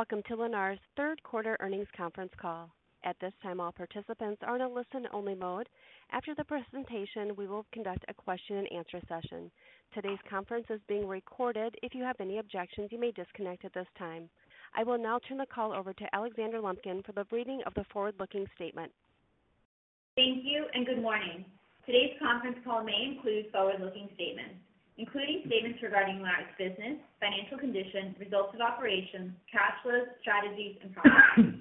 Welcome to Lennar's third quarter earnings conference call. At this time, all participants are in a listen-only mode. After the presentation, we will conduct a question-and-answer session. Today's conference is being recorded. If you have any objections, you may disconnect at this time. I will now turn the call over to Alexandra Lumpkin for the reading of the forward-looking statement. Thank you and good morning. Today's conference call may include forward-looking statements, including statements regarding Lennar's business, financial condition, results of operations, cash flows, strategies, and prospects.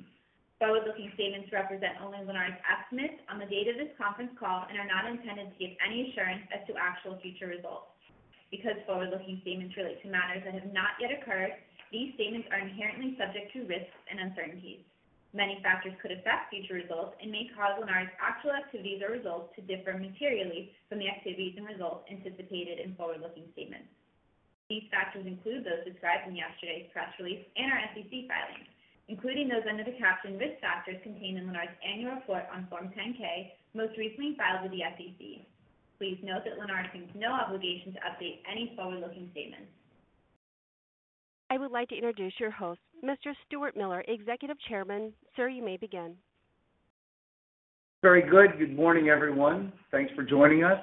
Forward-looking statements represent only Lennar's estimates on the date of this conference call and are not intended to give any assurance as to actual future results. Because forward-looking statements relate to matters that have not yet occurred, these statements are inherently subject to risks and uncertainties. Many factors could affect future results and may cause Lennar's actual activities or results to differ materially from the activities and results anticipated in forward-looking statements. These factors include those described in yesterday's press release and our SEC filings, including those under the caption Risk Factors contained in Lennar's annual report on Form 10-K, most recently filed with the SEC. Please note that Lennar assumes no obligation to update any forward-looking statements. I would like to introduce your host, Mr. Stuart Miller, Executive Chairman. Sir, you may begin. Very good. Good morning, everyone. Thanks for joining us.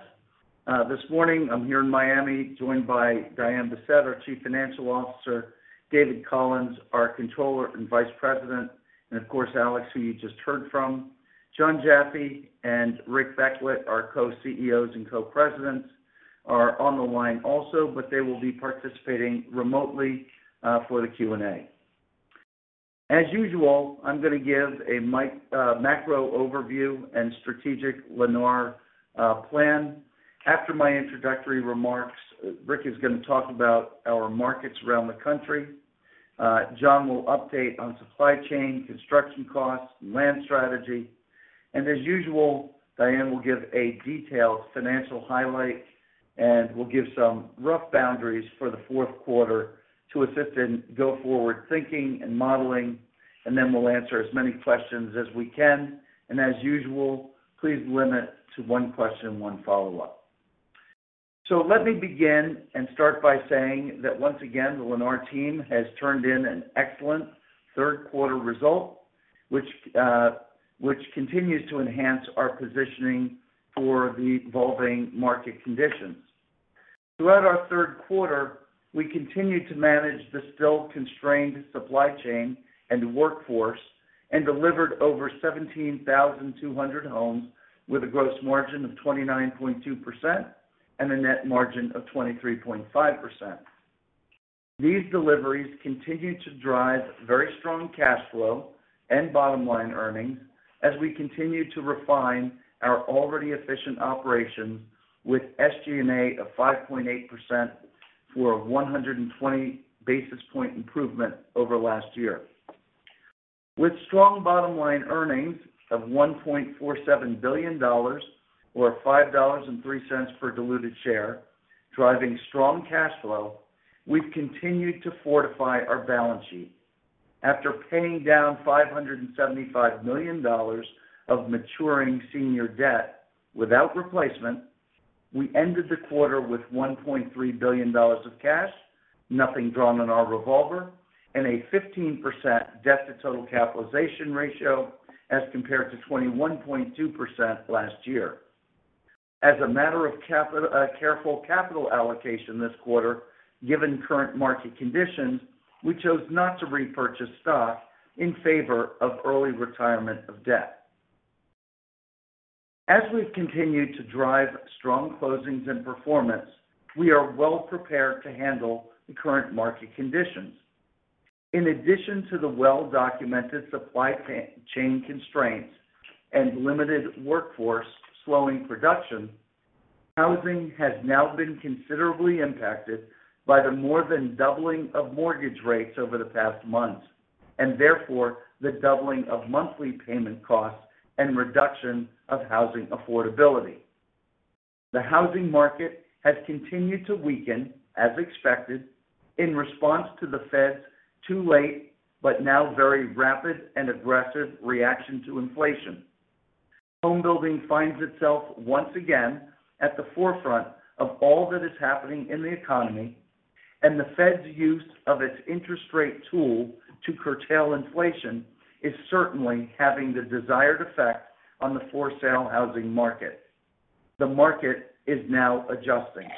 This morning I'm here in Miami, joined by Diane Bessette, our Chief Financial Officer, David Collins, our Controller and Vice President, and of course, Alex, who you just heard from. Jon Jaffe and Rick Beckwitt, our Co-CEOs and Co-Presidents, are on the line also, but they will be participating remotely for the Q&A. As usual, I'm gonna give a macro overview and strategic Lennar plan. After my introductory remarks, Rick is gonna talk about our markets around the country. Jon will update on supply chain, construction costs, and land strategy. As usual, Diane will give a detailed financial highlight, and we'll give some rough boundaries for the fourth quarter to assist in go-forward thinking and modeling. We'll answer as many questions as we can. As usual, please limit to one question, one follow-up. Let me begin and start by saying that once again, the Lennar team has turned in an excellent third quarter result, which continues to enhance our positioning for the evolving market conditions. Throughout our third quarter, we continued to manage the still-constrained supply chain and workforce and delivered over 17,200 homes with a gross margin of 29.2% and a net margin of 23.5%. These deliveries continue to drive very strong cash flow and bottom-line earnings as we continue to refine our already efficient operations with SG&A of 5.8% for a 120 basis point improvement over last year. With strong bottom-line earnings of $1.47 billion or $5.03 per diluted share, driving strong cash flow, we've continued to fortify our balance sheet. After paying down $575 million of maturing senior debt without replacement, we ended the quarter with $1.3 billion of cash, nothing drawn in our revolver, and a 15% debt-to-total capitalization ratio as compared to 21.2% last year. As a matter of careful capital allocation this quarter, given current market conditions, we chose not to repurchase stock in favor of early retirement of debt. As we've continued to drive strong closings and performance, we are well-prepared to handle the current market conditions. In addition to the well-documented supply chain constraints and limited workforce slowing production, housing has now been considerably impacted by the more than doubling of mortgage rates over the past months, and therefore, the doubling of monthly payment costs and reduction of housing affordability. The housing market has continued to weaken, as expected, in response to the Fed's too late, but now very rapid and aggressive reaction to inflation. Home building finds itself once again at the forefront of all that is happening in the economy, and the Fed's use of its interest rate tool to curtail inflation is certainly having the desired effect on the for-sale housing market. The market is now adjusting.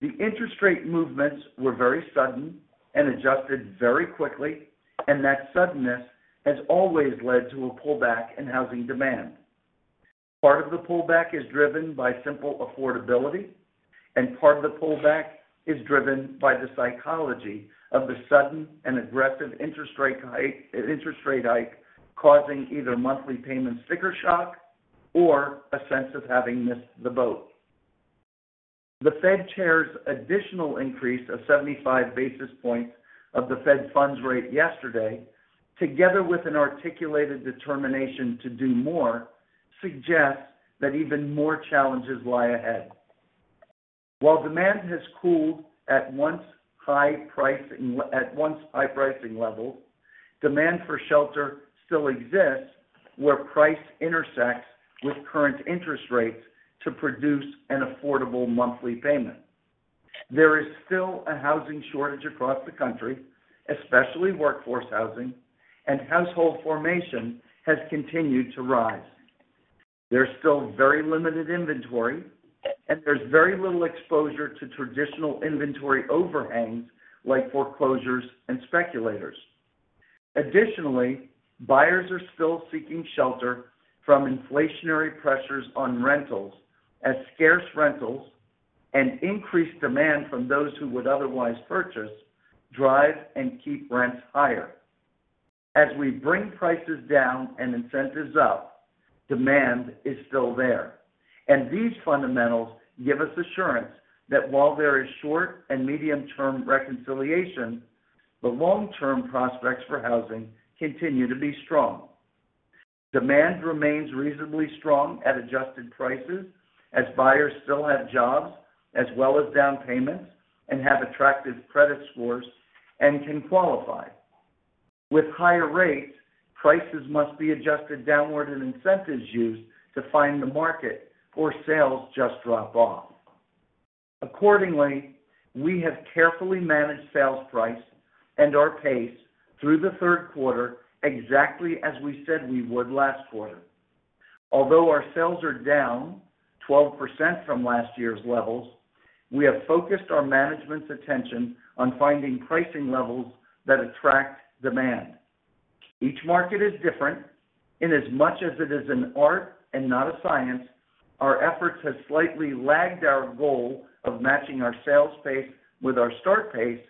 The interest rate movements were very sudden and adjusted very quickly, and that suddenness has always led to a pullback in housing demand. Part of the pullback is driven by simple affordability, and part of the pullback is driven by the psychology of the sudden and aggressive interest rate hike causing either monthly payment sticker shock or a sense of having missed the boat. The Fed Chair's additional increase of 75 basis points of the Fed funds rate yesterday, together with an articulated determination to do more, suggests that even more challenges lie ahead. While demand has cooled at once high pricing levels. Demand for shelter still exists, where price intersects with current interest rates to produce an affordable monthly payment. There is still a housing shortage across the country, especially workforce housing, and household formation has continued to rise. There's still very limited inventory, and there's very little exposure to traditional inventory overhangs like foreclosures and speculators. Additionally, buyers are still seeking shelter from inflationary pressures on rentals as scarce rentals and increased demand from those who would otherwise purchase drive and keep rents higher. As we bring prices down and incentives up, demand is still there. These fundamentals give us assurance that while there is short and medium-term reconciliation, the long-term prospects for housing continue to be strong. Demand remains reasonably strong at adjusted prices as buyers still have jobs as well as down payments, and have attractive credit scores and can qualify. With higher rates, prices must be adjusted downward and incentives used to find the market or sales just drop off. Accordingly, we have carefully managed sales price and our pace through the third quarter exactly as we said we would last quarter. Although our sales are down 12% from last year's levels, we have focused our management's attention on finding pricing levels that attract demand. Each market is different. In as much as it is an art and not a science, our efforts have slightly lagged our goal of matching our sales pace with our start pace,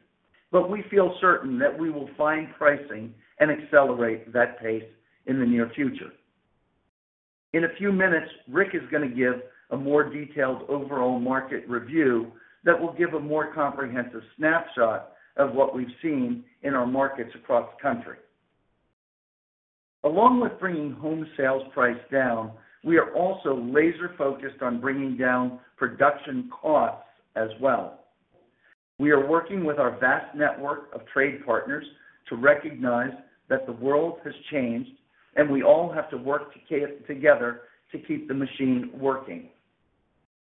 but we feel certain that we will find pricing and accelerate that pace in the near future. In a few minutes, Rick is gonna give a more detailed overall market review that will give a more comprehensive snapshot of what we've seen in our markets across the country. Along with bringing home sales price down, we are also laser-focused on bringing down production costs as well. We are working with our vast network of trade partners to recognize that the world has changed, and we all have to work together to keep the machine working.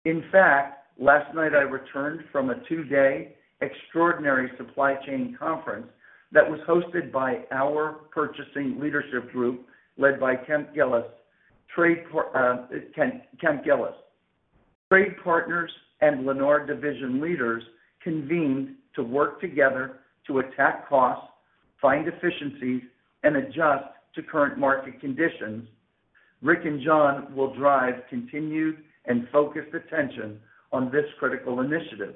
In fact, last night I returned from a two-day extraordinary supply chain conference that was hosted by our purchasing leadership group, led by Kemp Gillis. Trade partners and Lennar division leaders convened to work together to attack costs, find efficiencies, and adjust to current market conditions. Rick and Jon will drive continued and focused attention on this critical initiative.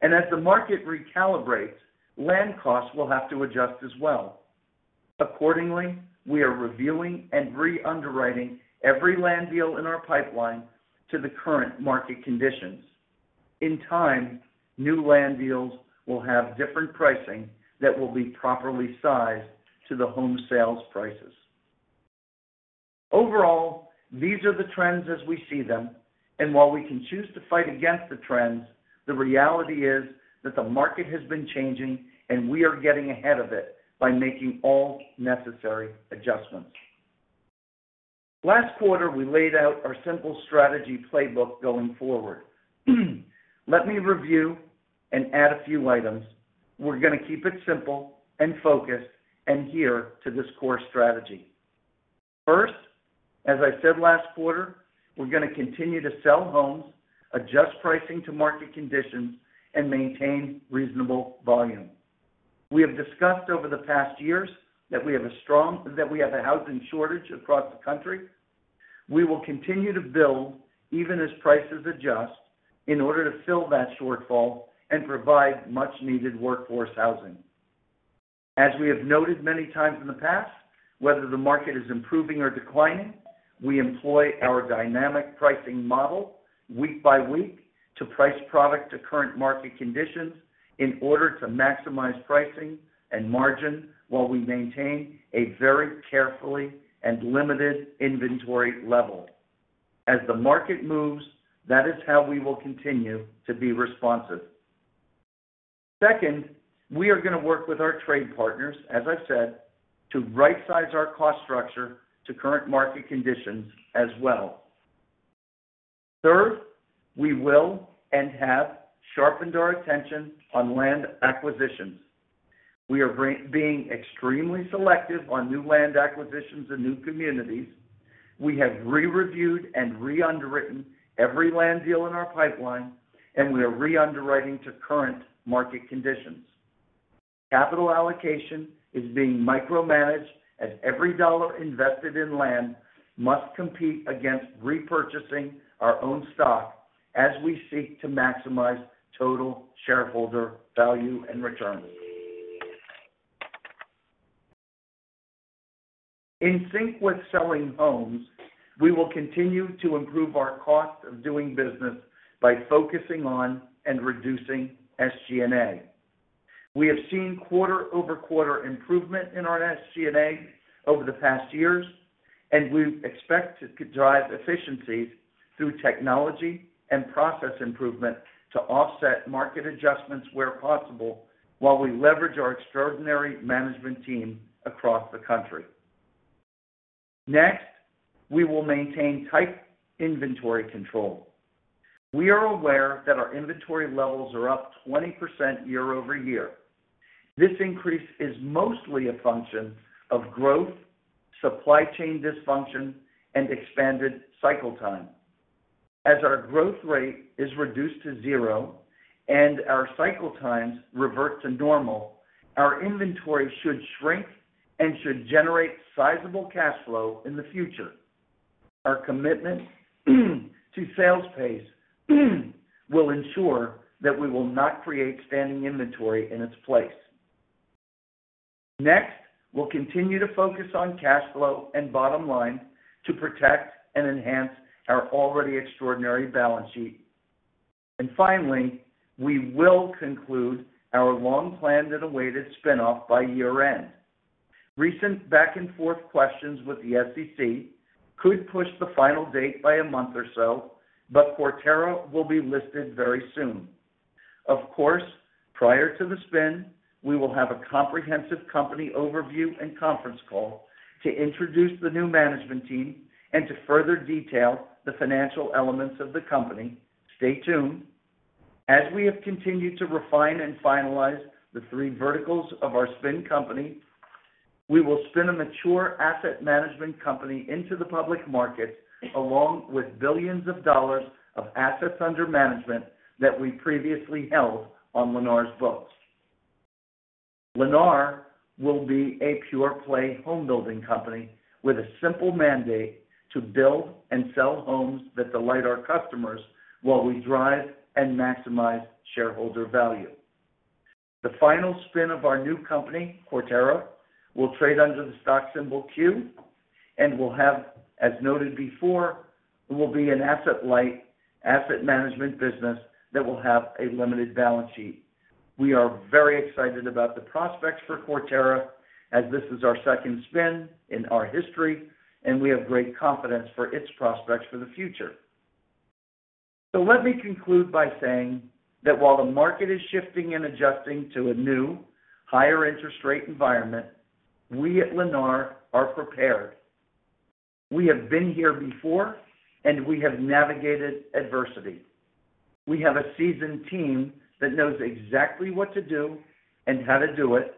As the market recalibrates, land costs will have to adjust as well. Accordingly, we are reviewing and re-underwriting every land deal in our pipeline to the current market conditions. In time, new land deals will have different pricing that will be properly sized to the home sales prices. Overall, these are the trends as we see them, and while we can choose to fight against the trends, the reality is that the market has been changing, and we are getting ahead of it by making all necessary adjustments. Last quarter, we laid out our simple strategy playbook going forward. Let me review and add a few items. We're gonna keep it simple and focused and adhere to this core strategy. First, as I said last quarter, we're gonna continue to sell homes, adjust pricing to market conditions, and maintain reasonable volume. We have discussed over the past years that we have a housing shortage across the country. We will continue to build even as prices adjust in order to fill that shortfall and provide much-needed workforce housing. As we have noted many times in the past, whether the market is improving or declining, we employ our dynamic pricing model week by week to price product to current market conditions in order to maximize pricing and margin while we maintain a very carefully and limited inventory level. As the market moves, that is how we will continue to be responsive. Second, we are gonna work with our trade partners, as I said, to rightsize our cost structure to current market conditions as well. Third, we will and have sharpened our attention on land acquisitions. We are being extremely selective on new land acquisitions and new communities. We have re-reviewed and re-underwritten every land deal in our pipeline, and we are re-underwriting to current market conditions. Capital allocation is being micromanaged as every dollar invested in land must compete against repurchasing our own stock as we seek to maximize total shareholder value and returns. In sync with selling homes, we will continue to improve our cost of doing business by focusing on and reducing SG&A. We have seen quarter-over-quarter improvement in our SG&A over the past years. We expect to drive efficiencies through technology and process improvement to offset market adjustments where possible while we leverage our extraordinary management team across the country. Next, we will maintain tight inventory control. We are aware that our inventory levels are up 20% year-over-year. This increase is mostly a function of growth, supply chain dysfunction, and expanded cycle time. As our growth rate is reduced to zero and our cycle times revert to normal, our inventory should shrink and should generate sizable cash flow in the future. Our commitment to sales pace will ensure that we will not create standing inventory in its place. Next, we'll continue to focus on cash flow and bottom line to protect and enhance our already extraordinary balance sheet. Finally, we will conclude our long-planned and awaited spin-off by year-end. Recent back-and-forth questions with the SEC could push the final date by a month or so, but Quarterra will be listed very soon. Of course, prior to the spin, we will have a comprehensive company overview and conference call to introduce the new management team and to further detail the financial elements of the company. Stay tuned. As we have continued to refine and finalize the three verticals of our spin company, we will spin a mature asset management company into the public market, along with $ billions of assets under management that we previously held on Lennar's books. Lennar will be a pure-play home building company with a simple mandate to build and sell homes that delight our customers while we drive and maximize shareholder value. The final spin of our new company, Quarterra, will trade under the stock symbol Q and, as noted before, will be an asset-light asset management business that will have a limited balance sheet. We are very excited about the prospects for Quarterra as this is our second spin in our history, and we have great confidence for its prospects for the future. Let me conclude by saying that while the market is shifting and adjusting to a new higher interest rate environment, we at Lennar are prepared. We have been here before, and we have navigated adversity. We have a seasoned team that knows exactly what to do and how to do it.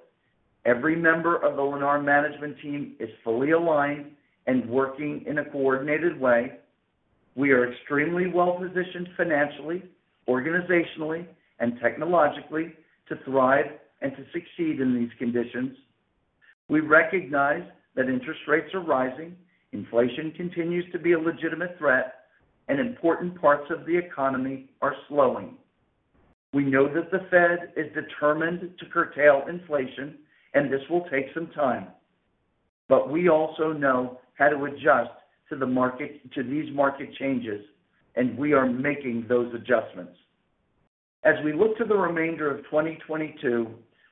Every member of the Lennar management team is fully aligned and working in a coordinated way. We are extremely well-positioned financially, organizationally, and technologically to thrive and to succeed in these conditions. We recognize that interest rates are rising, inflation continues to be a legitimate threat, and important parts of the economy are slowing. We know that the Fed is determined to curtail inflation, and this will take some time. We also know how to adjust to these market changes, and we are making those adjustments. As we look to the remainder of 2022,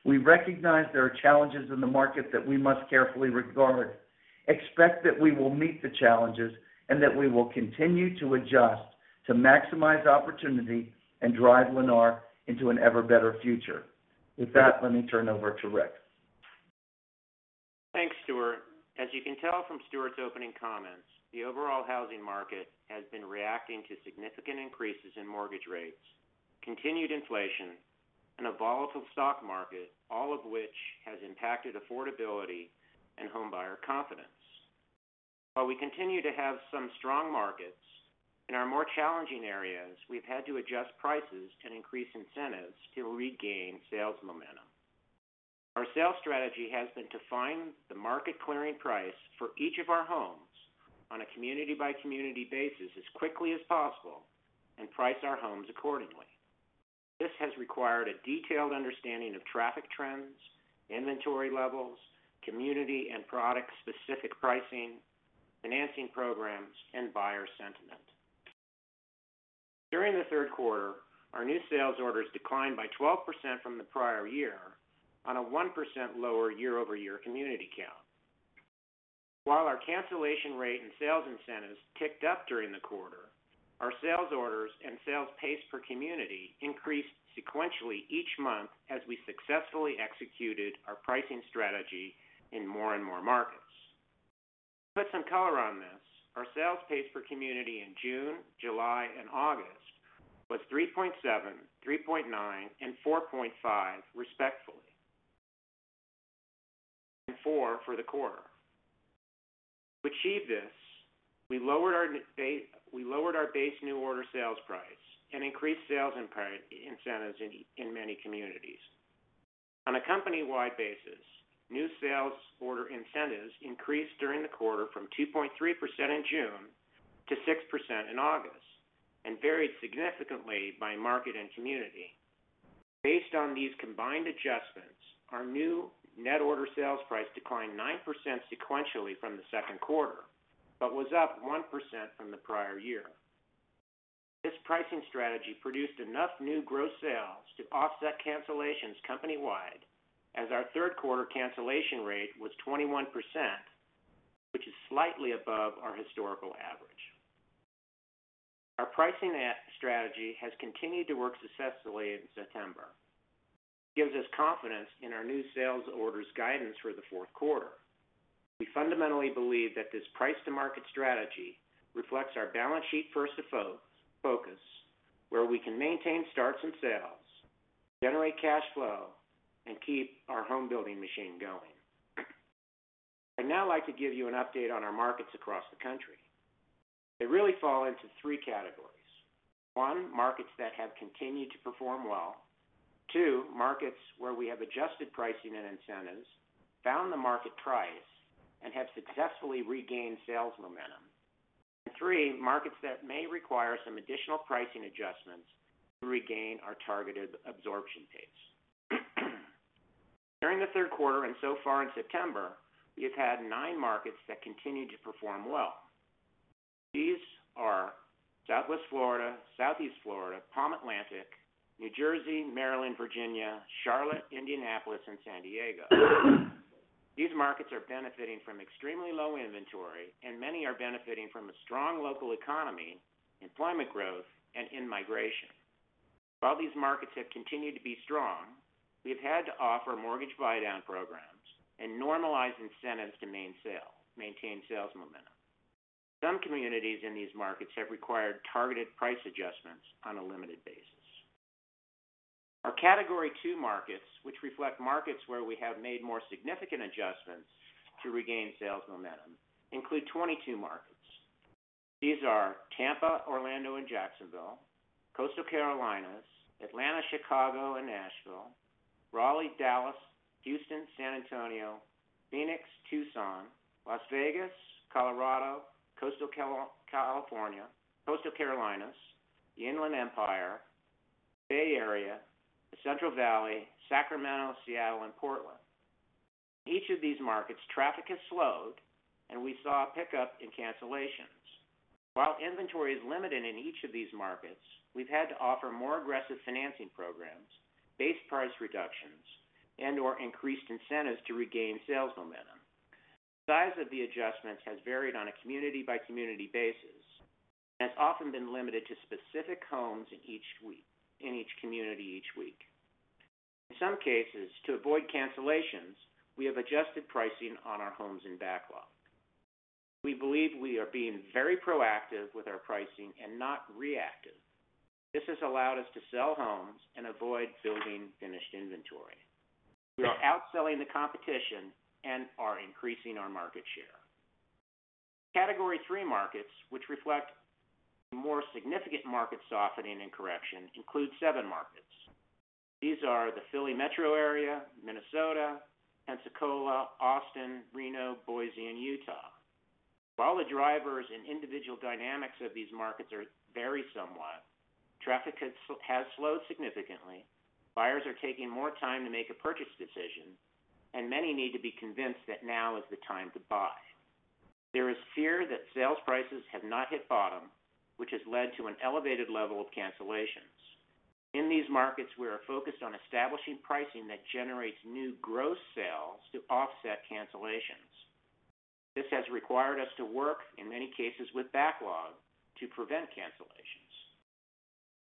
we recognize there are challenges in the market that we must carefully regard. Expect that we will meet the challenges and that we will continue to adjust to maximize opportunity and drive Lennar into an ever better future. With that, let me turn over to Rick. Thanks, Stuart. As you can tell from Stuart's opening comments, the overall housing market has been reacting to significant increases in mortgage rates, continued inflation, and a volatile stock market, all of which has impacted affordability and homebuyer confidence. While we continue to have some strong markets, in our more challenging areas, we've had to adjust prices to increase incentives to regain sales momentum. Our sales strategy has been to find the market clearing price for each of our homes on a community-by-community basis as quickly as possible and price our homes accordingly. This has required a detailed understanding of traffic trends, inventory levels, community and product-specific pricing, financing programs, and buyer sentiment. During the third quarter, our new sales orders declined by 12% from the prior year on a 1% lower year-over-year community count. While our cancellation rate and sales incentives ticked up during the quarter, our sales orders and sales pace per community increased sequentially each month as we successfully executed our pricing strategy in more and more markets. To put some color on this, our sales pace per community in June, July, and August was 3.7, 3.9, and 4.5, respectively. 4 for the quarter. To achieve this, we lowered our base new order sales price and increased sales incentives in many communities. On a company-wide basis, new sales order incentives increased during the quarter from 2.3% in June to 6% in August and varied significantly by market and community. Based on these combined adjustments, our new net order sales price declined 9% sequentially from the second quarter, but was up 1% from the prior year. This pricing strategy produced enough new gross sales to offset cancellations company-wide as our third-quarter cancellation rate was 21%, which is slightly above our historical average. Our pricing strategy has continued to work successfully in September. It gives us confidence in our new sales orders guidance for the fourth quarter. We fundamentally believe that this price-to-market strategy reflects our balance sheet first focus, where we can maintain starts and sales, generate cash flow, and keep our home building machine going. I'd now like to give you an update on our markets across the country. They really fall into three categories. One, markets that have continued to perform well. Two, markets where we have adjusted pricing and incentives, found the market price, and have successfully regained sales momentum. Three, markets that may require some additional pricing adjustments to regain our targeted absorption pace. During the third quarter and so far in September, we have had nine markets that continue to perform well. These are Southwest Florida, Southeast Florida, Palm Atlantic, New Jersey, Maryland, Virginia, Charlotte, Indianapolis, and San Diego. These markets are benefiting from extremely low inventory, and many are benefiting from a strong local economy, employment growth, and in-migration. While these markets have continued to be strong, we've had to offer mortgage buydown programs and normalize incentives to maintain sales momentum. Some communities in these markets have required targeted price adjustments on a limited basis. Our category two markets, which reflect markets where we have made more significant adjustments to regain sales momentum, include 22 markets. These are Tampa, Orlando, and Jacksonville, Coastal Carolinas, Atlanta, Chicago, and Nashville, Raleigh, Dallas, Houston, San Antonio, Phoenix, Tucson, Las Vegas, Colorado, Coastal California, Coastal Carolinas, the Inland Empire, Bay Area, the Central Valley, Sacramento, Seattle, and Portland. In each of these markets, traffic has slowed, and we saw a pickup in cancellations. While inventory is limited in each of these markets, we've had to offer more aggressive financing programs, base price reductions, and/or increased incentives to regain sales momentum. The size of the adjustments has varied on a community-by-community basis, and has often been limited to specific homes in each community each week. In some cases, to avoid cancellations, we have adjusted pricing on our homes in backlog. We believe we are being very proactive with our pricing and not reactive. This has allowed us to sell homes and avoid building finished inventory. We are outselling the competition and are increasing our market share. Category three markets, which reflect more significant market softening and correction, include seven markets. These are the Philly metro area, Minnesota, Pensacola, Austin, Reno, Boise, and Utah. While the drivers and individual dynamics of these markets vary somewhat, traffic has slowed significantly, buyers are taking more time to make a purchase decision, and many need to be convinced that now is the time to buy. There is fear that sales prices have not hit bottom, which has led to an elevated level of cancellations. In these markets, we are focused on establishing pricing that generates new gross sales to offset cancellations. This has required us to work, in many cases with backlog, to prevent cancellations.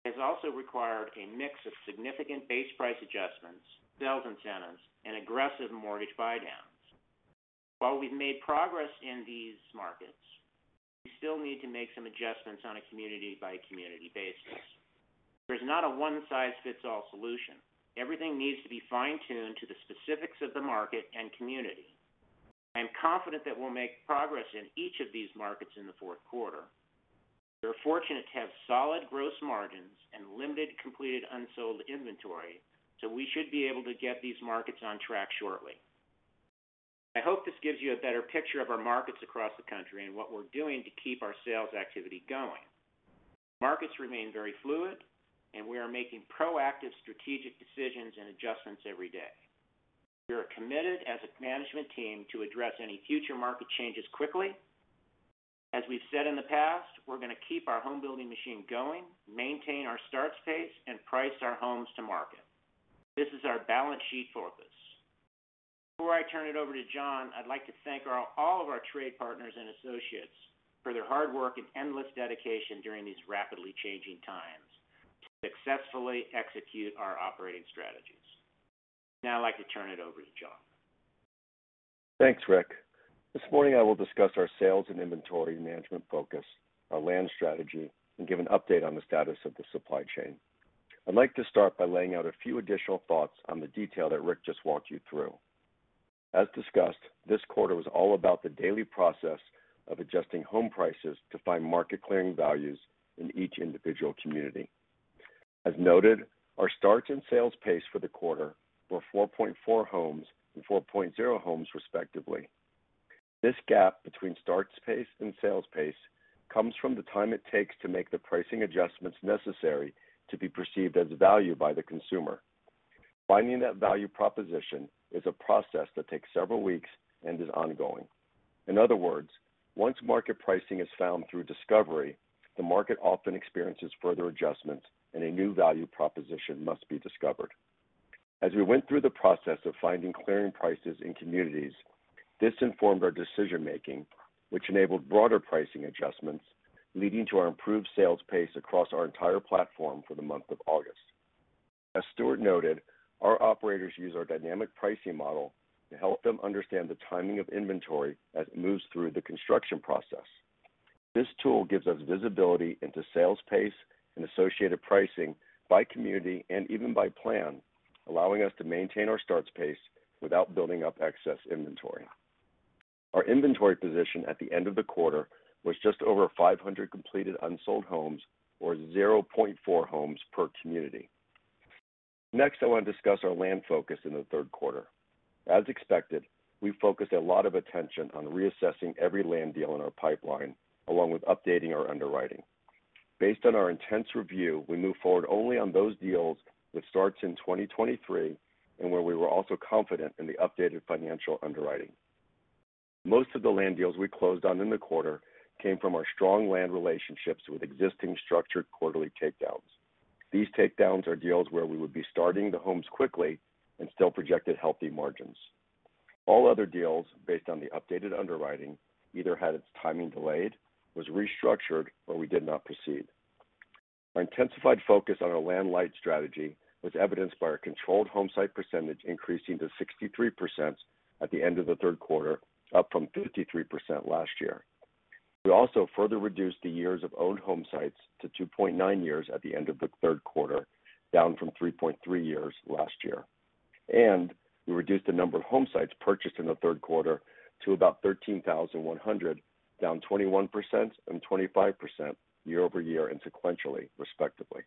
It has also required a mix of significant base price adjustments, sales incentives, and aggressive mortgage buydowns. While we've made progress in these markets, we still need to make some adjustments on a community-by-community basis. There's not a one-size-fits-all solution. Everything needs to be fine-tuned to the specifics of the market and community. I am confident that we'll make progress in each of these markets in the fourth quarter. We're fortunate to have solid gross margins and limited completed unsold inventory, so we should be able to get these markets on track shortly. I hope this gives you a better picture of our markets across the country and what we're doing to keep our sales activity going. Markets remain very fluid, and we are making proactive strategic decisions and adjustments every day. We are committed as a management team to address any future market changes quickly. As we've said in the past, we're going to keep our home building machine going, maintain our starts pace, and price our homes to market. This is our balance sheet focus. Before I turn it over to Jon, I'd like to thank all of our trade partners and associates for their hard work and endless dedication during these rapidly changing times to successfully execute our operating strategies. Now I'd like to turn it over to Jon. Thanks, Rick. This morning, I will discuss our sales and inventory management focus, our land strategy, and give an update on the status of the supply chain. I'd like to start by laying out a few additional thoughts on the detail that Rick just walked you through. As discussed, this quarter was all about the daily process of adjusting home prices to find market clearing values in each individual community. As noted, our starts and sales pace for the quarter were 4.4 homes and 4.0 homes, respectively. This gap between starts pace and sales pace comes from the time it takes to make the pricing adjustments necessary to be perceived as value by the consumer. Finding that value proposition is a process that takes several weeks and is ongoing. In other words, once market pricing is found through discovery, the market often experiences further adjustments and a new value proposition must be discovered. As we went through the process of finding clearing prices in communities, this informed our decision-making, which enabled broader pricing adjustments, leading to our improved sales pace across our entire platform for the month of August. As Stuart noted, our operators use our dynamic pricing model to help them understand the timing of inventory as it moves through the construction process. This tool gives us visibility into sales pace and associated pricing by community and even by plan, allowing us to maintain our starts pace without building up excess inventory. Our inventory position at the end of the quarter was just over 500 completed unsold homes, or 0.4 homes per community. Next, I want to discuss our land focus in the third quarter. As expected, we focused a lot of attention on reassessing every land deal in our pipeline along with updating our underwriting. Based on our intense review, we moved forward only on those deals with starts in 2023 and where we were also confident in the updated financial underwriting. Most of the land deals we closed on in the quarter came from our strong land relationships with existing structured quarterly takedowns. These takedowns are deals where we would be starting the homes quickly and still projected healthy margins. All other deals based on the updated underwriting either had its timing delayed, was restructured, or we did not proceed. Our intensified focus on our land-light strategy was evidenced by our controlled home site percentage increasing to 63% at the end of the third quarter, up from 53% last year. We also further reduced the years of owned home sites to 2.9 years at the end of the third quarter, down from 3.3 years last year. We reduced the number of home sites purchased in the third quarter to about 13,100, down 21% and 25% year-over-year and sequentially, respectively.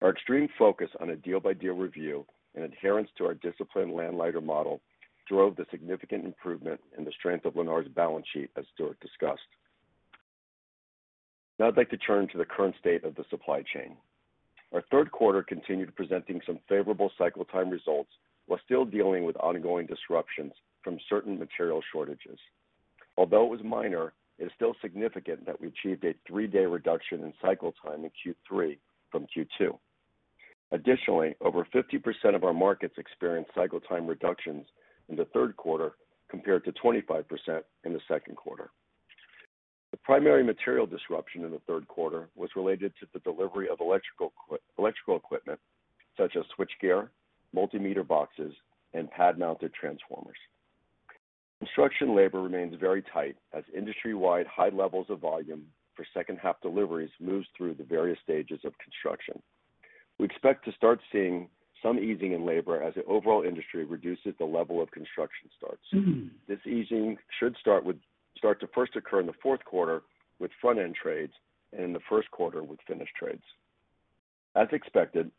Our extreme focus on a deal-by-deal review and adherence to our disciplined land-light model drove the significant improvement in the strength of Lennar's balance sheet, as Stuart discussed. Now I'd like to turn to the current state of the supply chain. Our third quarter continued presenting some favorable cycle time results while still dealing with ongoing disruptions from certain material shortages. Although it was minor, it is still significant that we achieved a 3-day reduction in cycle time in Q3 from Q2. Additionally, over 50% of our markets experienced cycle time reductions in the third quarter compared to 25% in the second quarter. The primary material disruption in the third quarter was related to the delivery of electrical equipment such as switchgear, meter boxes, and pad-mounted transformers. Construction labor remains very tight as industry-wide high levels of volume for second half deliveries moves through the various stages of construction. We expect to start seeing some easing in labor as the overall industry reduces the level of construction starts. This easing should start to first occur in the fourth quarter with front-end trades and in the first quarter with finished trades. As expected,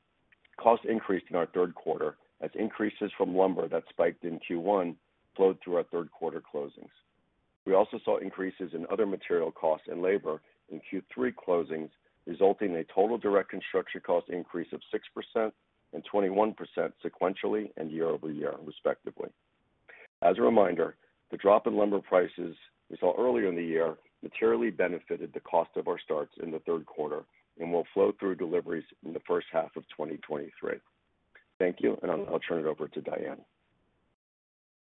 costs increased in our third quarter as increases from lumber that spiked in Q1 flowed through our third quarter closings. We also saw increases in other material costs and labor in Q3 closings, resulting in a total direct construction cost increase of 6% and 21% sequentially and year-over-year, respectively. As a reminder, the drop in lumber prices we saw earlier in the year materially benefited the cost of our starts in the third quarter and will flow through deliveries in the first half of 2023. Thank you, and I'll turn it over to Diane.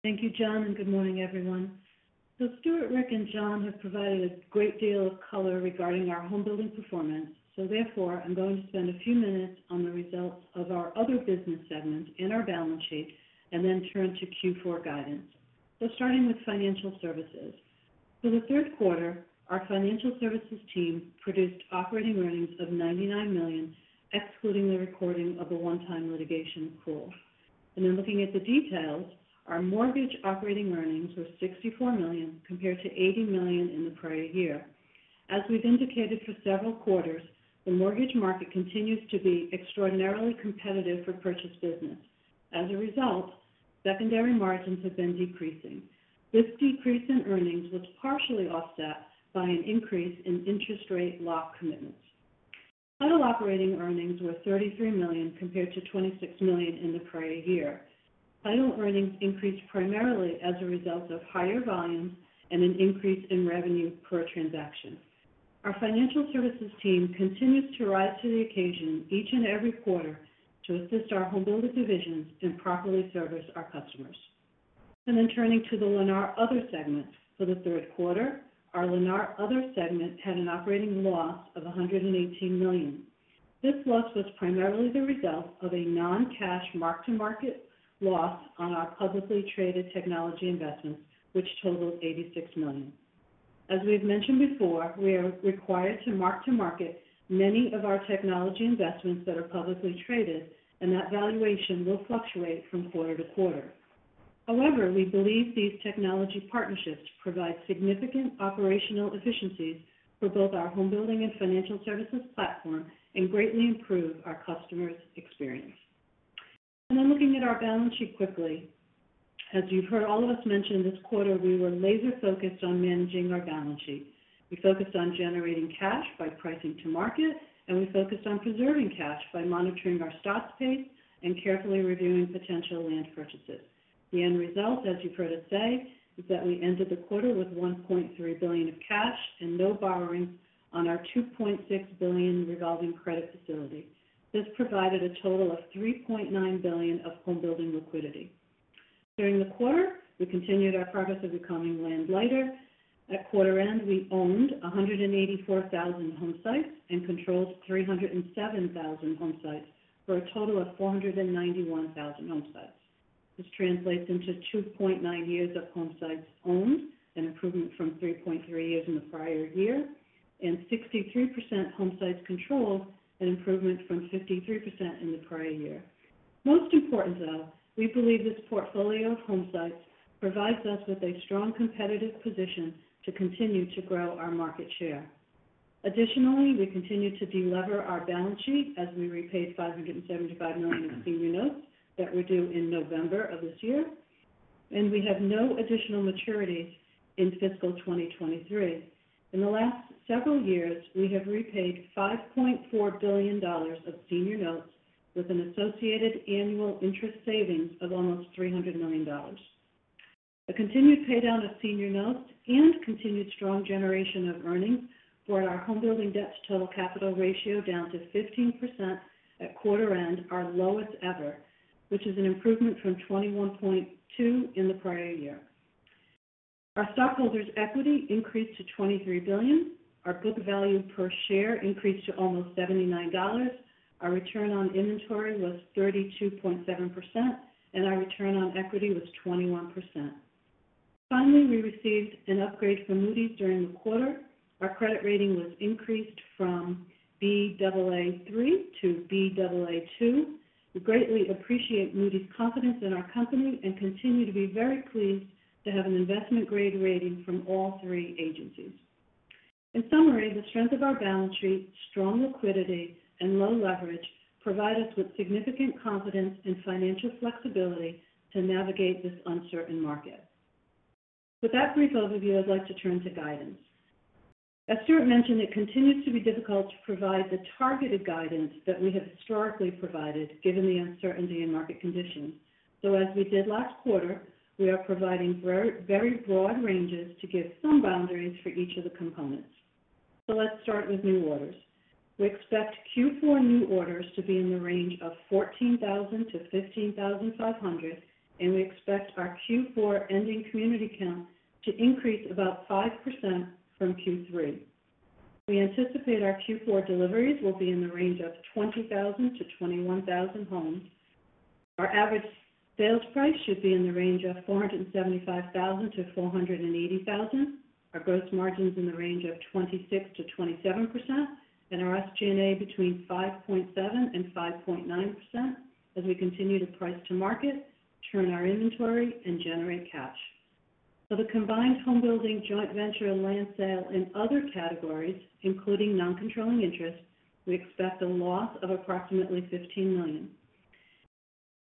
Thank you, Jon, and good morning, everyone. Stuart, Rick, and Jon have provided a great deal of color regarding our home building performance, so therefore, I'm going to spend a few minutes on the results of our other business segments in our balance sheet and then turn to Q4 guidance. Starting with financial services. For the third quarter, our financial services team produced operating earnings of $99 million, excluding the recording of a one-time litigation pool. Looking at the details, our mortgage operating earnings were $64 million compared to $80 million in the prior year. As we've indicated for several quarters, the mortgage market continues to be extraordinarily competitive for purchase business. As a result, secondary margins have been decreasing. This decrease in earnings was partially offset by an increase in interest rate lock commitments. Title operating earnings were $33 million compared to $26 million in the prior year. Title earnings increased primarily as a result of higher volumes and an increase in revenue per transaction. Our financial services team continues to rise to the occasion each and every quarter to assist our home builder divisions and properly service our customers. Turning to the Lennar Other segment. For the third quarter, our Lennar Other segment had an operating loss of $118 million. This loss was primarily the result of a non-cash mark-to-market loss on our publicly traded technology investments, which totaled $86 million. As we have mentioned before, we are required to mark to market many of our technology investments that are publicly traded, and that valuation will fluctuate from quarter-to-quarter. However, we believe these technology partnerships provide significant operational efficiencies for both our home building and financial services platform and greatly improve our customers' experience. Looking at our balance sheet quickly. As you've heard all of us mention this quarter, we were laser focused on managing our balance sheet. We focused on generating cash by pricing to market, and we focused on preserving cash by monitoring our lots pace and carefully reviewing potential land purchases. The end result, as you've heard us say, is that we ended the quarter with $1.3 billion of cash and no borrowings on our $2.6 billion revolving credit facility. This provided a total of $3.9 billion of home building liquidity. During the quarter, we continued our progress of becoming land-light. At quarter end, we owned 184,000 home sites and controlled 307,000 home sites, for a total of 491,000 home sites. This translates into 2.9 years of home sites owned, an improvement from 3.3 years in the prior year, and 63% home sites controlled, an improvement from 53% in the prior year. Most important, though, we believe this portfolio of home sites provides us with a strong competitive position to continue to grow our market share. Additionally, we continue to delever our balance sheet as we repaid $575 million of senior notes that were due in November of this year, and we have no additional maturities in fiscal 2023. In the last several years, we have repaid $5.4 billion of senior notes with an associated annual interest savings of almost $300 million. A continued pay down of senior notes and continued strong generation of earnings brought our home building debt to total capital ratio down to 15% at quarter end, our lowest ever, which is an improvement from 21.2% in the prior year. Our stockholders' equity increased to $23 billion. Our book value per share increased to almost $79. Our return on inventory was 32.7%, and our return on equity was 21%. Finally, we received an upgrade from Moody's during the quarter. Our credit rating was increased from Baa3 to Baa2. We greatly appreciate Moody's confidence in our company and continue to be very pleased to have an investment-grade rating from all three agencies. In summary, the strength of our balance sheet, strong liquidity, and low leverage provide us with significant confidence and financial flexibility to navigate this uncertain market. With that brief overview, I'd like to turn to guidance. As Stuart mentioned, it continues to be difficult to provide the targeted guidance that we have historically provided given the uncertainty in market conditions. As we did last quarter, we are providing very broad ranges to give some boundaries for each of the components. Let's start with new orders. We expect Q4 new orders to be in the range of 14,000-15,500, and we expect our Q4 ending community count to increase about 5% from Q3. We anticipate our Q4 deliveries will be in the range of 20,000-21,000 homes. Our average sales price should be in the range of $475,000-$480,000. Our gross margin's in the range of 26%-27%, and our SG&A between 5.7%-5.9% as we continue to price to market, turn our inventory, and generate cash. For the combined home building joint venture and land sale and other categories, including non-controlling interest, we expect a loss of approximately $15 million.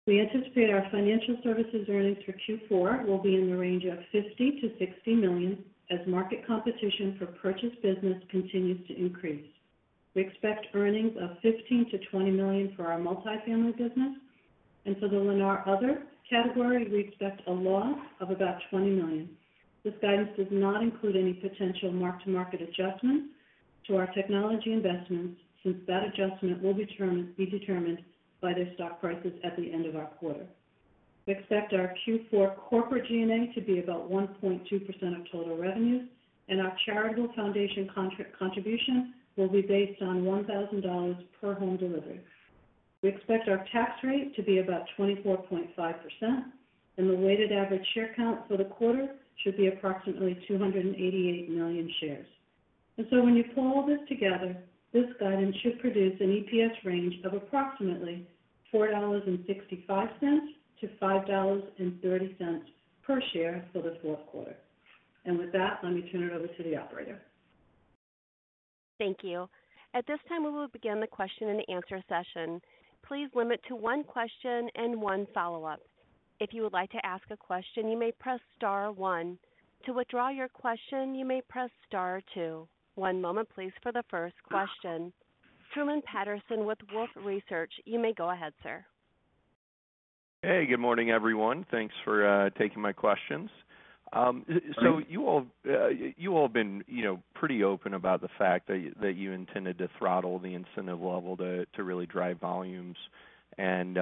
We anticipate our financial services earnings for Q4 will be in the range of $50 million-$60 million as market competition for purchase business continues to increase. We expect earnings of $15 million-$20 million for our multifamily business. For the Lennar Other category, we expect a loss of about $20 million. This guidance does not include any potential mark-to-market adjustments to our technology investments, since that adjustment will be determined by their stock prices at the end of our quarter. We expect our Q4 corporate G&A to be about 1.2% of total revenue, and our charitable foundation contribution will be based on $1,000 per home delivery. We expect our tax rate to be about 24.5%, and the weighted average share count for the quarter should be approximately 288 million shares. When you pull all this together, this guidance should produce an EPS range of approximately $4.65-$5.30 per share for the fourth quarter. With that, let me turn it over to the operator. Thank you. At this time, we will begin the question-and-answer session. Please limit to one question and one follow-up. If you would like to ask a question, you may press star one. To withdraw your question, you may press star two. One moment please for the first question. Truman Patterson with Wolfe Research. You may go ahead, sir. Hey, good morning, everyone. Thanks for taking my questions. You all have been, you know, pretty open about the fact that you intended to throttle the incentive level to really drive volumes and,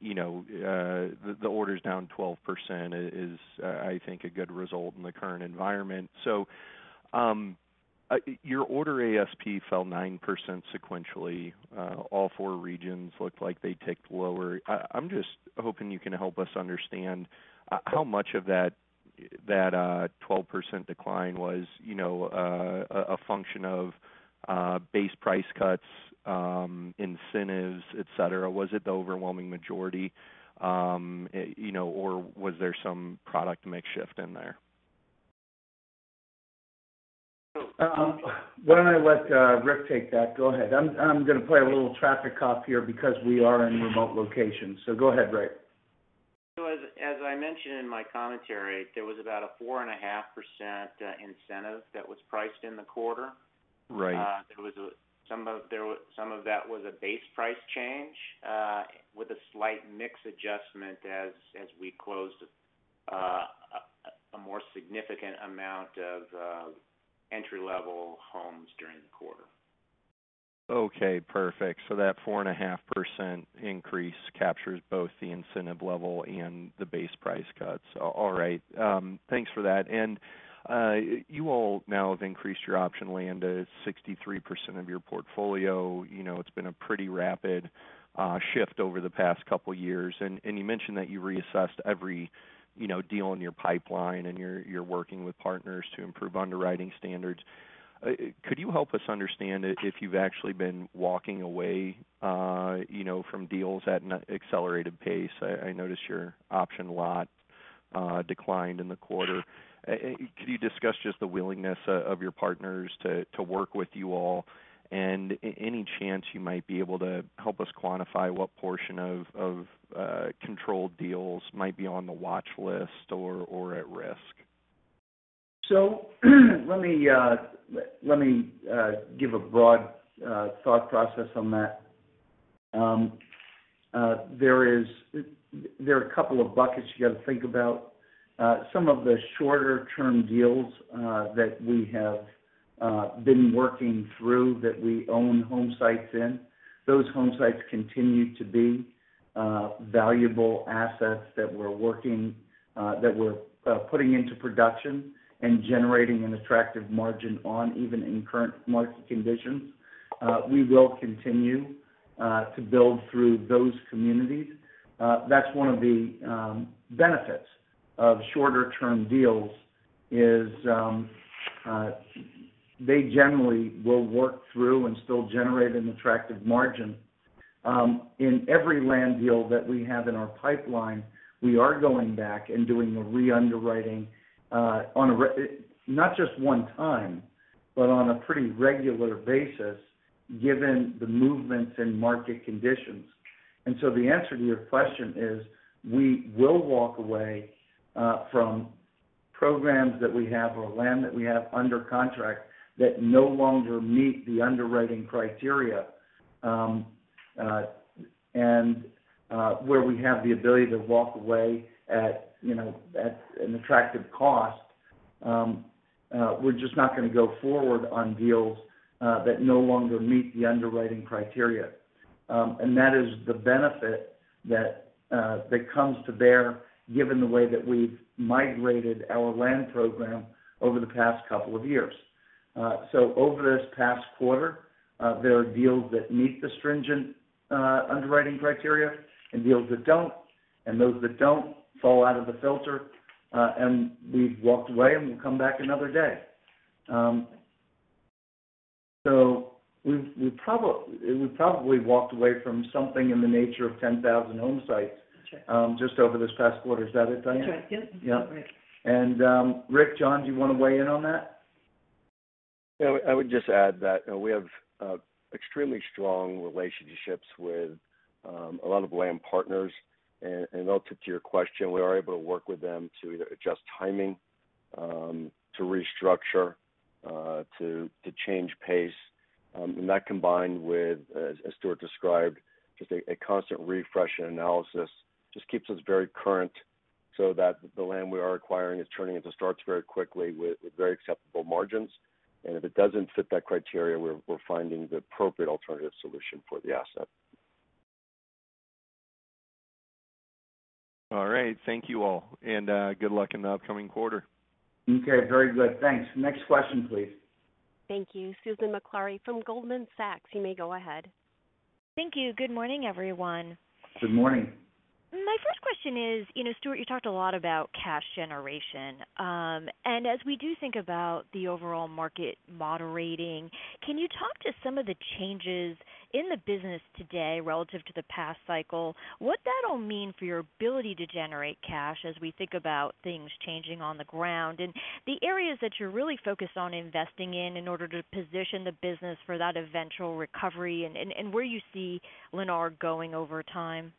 you know, the order's down 12% is, I think a good result in the current environment. Your order ASP fell 9% sequentially. All four regions looked like they ticked lower. I'm just hoping you can help us understand how much of that 12% decline was a function of base price cuts, incentives, et cetera. Was it the overwhelming majority? Or was there some product mix shift in there? Why don't I let Rick take that? Go ahead. I'm gonna play a little traffic cop here because we are in remote locations. Go ahead, Rick. As I mentioned in my commentary, there was about a 4.5% incentive that was priced in the quarter. Right. Some of that was a base price change, with a slight mix adjustment as we closed a more significant amount of entry-level homes during the quarter. Okay, perfect. That 4.5% increase captures both the incentive level and the base price cuts. All right. Thanks for that. You all now have increased your option land to 63% of your portfolio. You know, it's been a pretty rapid shift over the past couple years. And you mentioned that you reassessed every, you know, deal in your pipeline, and you're working with partners to improve underwriting standards. Could you help us understand if you've actually been walking away, you know, from deals at an accelerated pace? I noticed your option lot declined in the quarter. Could you discuss just the willingness of your partners to work with you all? Any chance you might be able to help us quantify what portion of controlled deals might be on the watch list or at risk? Let me give a broad thought process on that. There are a couple of buckets you gotta think about. Some of the shorter-term deals that we have been working through that we own home sites in, those home sites continue to be valuable assets that we're putting into production and generating an attractive margin on, even in current market conditions. We will continue to build through those communities. That's one of the benefits of shorter-term deals is they generally will work through and still generate an attractive margin. In every land deal that we have in our pipeline, we are going back and doing a re-underwriting, not just one time, but on a pretty regular basis, given the movements in market conditions. The answer to your question is we will walk away from programs that we have or land that we have under contract that no longer meet the underwriting criteria, and where we have the ability to walk away at, you know, at an attractive cost. We're just not gonna go forward on deals that no longer meet the underwriting criteria. That is the benefit that comes to bear given the way that we've migrated our land program over the past couple of years. Over this past quarter, there are deals that meet the stringent underwriting criteria and deals that don't, and those that don't fall out of the filter, and we've walked away, and we'll come back another day. We've probably walked away from something in the nature of 10,000 home sites. That's right. Just over this past quarter. Is that it, Diane? That's right, yep. Yeah. Great. Rick, John, do you wanna weigh in on that? Yeah, I would just add that, you know, we have extremely strong relationships with a lot of land partners. I'll tip to your question, we are able to work with them to either adjust timing to restructure to change pace. That combined with, as Stuart described, just a constant refresh and analysis, just keeps us very current so that the land we are acquiring is turning into starts very quickly with very acceptable margins. If it doesn't fit that criteria, we're finding the appropriate alternative solution for the asset. All right. Thank you all, and good luck in the upcoming quarter. Okay. Very good. Thanks. Next question, please. Thank you. Susan Maklari from Goldman Sachs, you may go ahead. Thank you. Good morning, everyone. Good morning. My first question is, you know, Stuart, you talked a lot about cash generation. As we do think about the overall market moderating, can you talk to some of the changes in the business today relative to the past cycle? What that'll mean for your ability to generate cash as we think about things changing on the ground? The areas that you're really focused on investing in in order to position the business for that eventual recovery, and where you see Lennar going over time.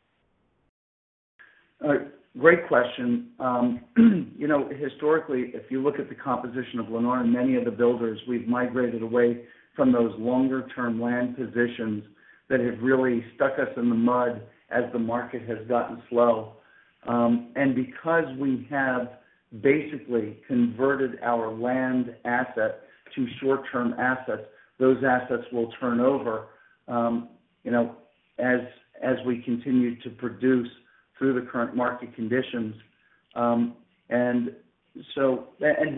All right. Great question. You know, historically, if you look at the composition of Lennar and many of the builders, we've migrated away from those longer-term land positions that have really stuck us in the mud as the market has gotten slow. Because we have basically converted our land asset to short-term assets, those assets will turn over, as we continue to produce through the current market conditions.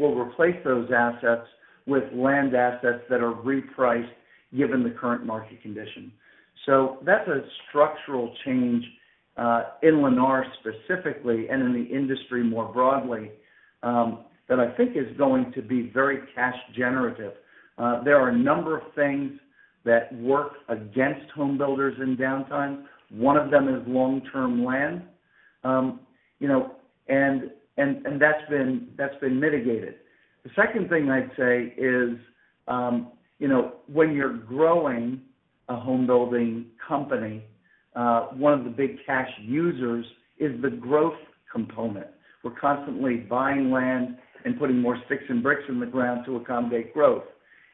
We'll replace those assets with land assets that are repriced given the current market condition. That's a structural change in Lennar specifically and in the industry more broadly, that I think is going to be very cash generative. There are a number of things that work against home builders in downtime. One of them is long-term land. That's been mitigated. The second thing I'd say is, you know, when you're growing a home building company, one of the big cash users is the growth component. We're constantly buying land and putting more sticks and bricks in the ground to accommodate growth.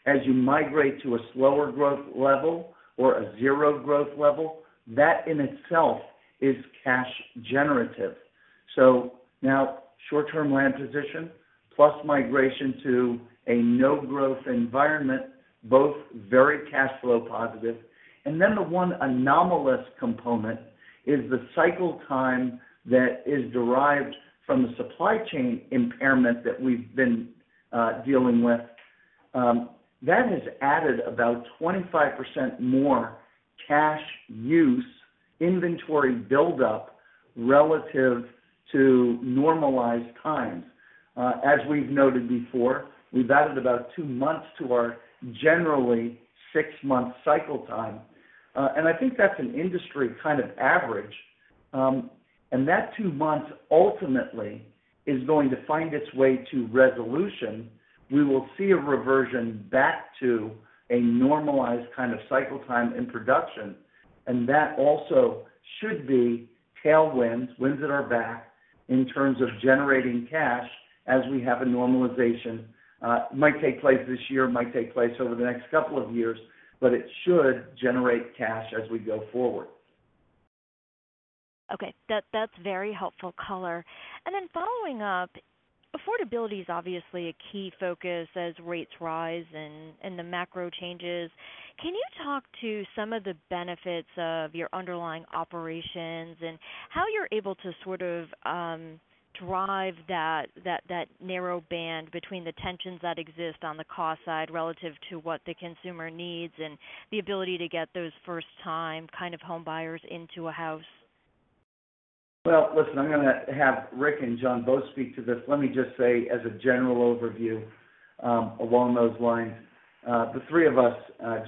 As you migrate to a slower growth level or a zero-growth level, that in itself is cash generative. Now short-term land position plus migration to a no-growth environment, both very cash flow positive. The one anomalous component is the cycle time that is derived from the supply chain impairment that we've been dealing with. That has added about 25% more cash use inventory buildup relative to normalized times. As we've noted before, we've added about two months to our generally six-month cycle time. I think that's an industry kind of average. That two months ultimately is going to find its way to resolution. We will see a reversion back to a normalized kind of cycle time in production, and that also should be tailwinds, winds at our back in terms of generating cash as we have a normalization. It might take place this year, it might take place over the next couple of years, but it should generate cash as we go forward. Okay. That's very helpful color. Following up, affordability is obviously a key focus as rates rise and the macro changes. Can you talk to some of the benefits of your underlying operations and how you're able to sort of drive that narrow band between the tensions that exist on the cost side relative to what the consumer needs and the ability to get those first-time kind of home buyers into a house? Well, listen, I'm gonna have Rick and Jon both speak to this. Let me just say, as a general overview, along those lines, the 3 of us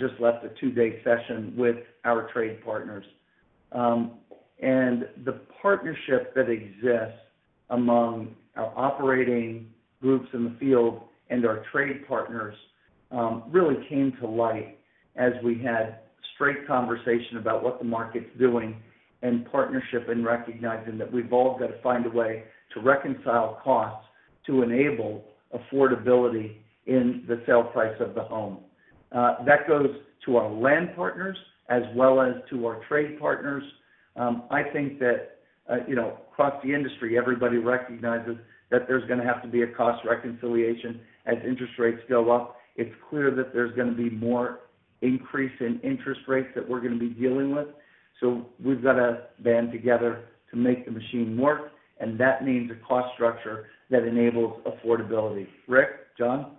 just left a 2-day session with our trade partners. The partnership that exists among our operating groups in the field and our trade partners really came to light as we had straight conversation about what the market's doing and partnership and recognizing that we've all got to find a way to reconcile costs to enable affordability in the sale price of the home. That goes to our land partners as well as to our trade partners. I think that, you know, across the industry, everybody recognizes that there's gonna have to be a cost reconciliation as interest rates go up. It's clear that there's gonna be more increase in interest rates that we're gonna be dealing with. We've got to band together to make the machine work, and that means a cost structure that enables affordability. Rick, John?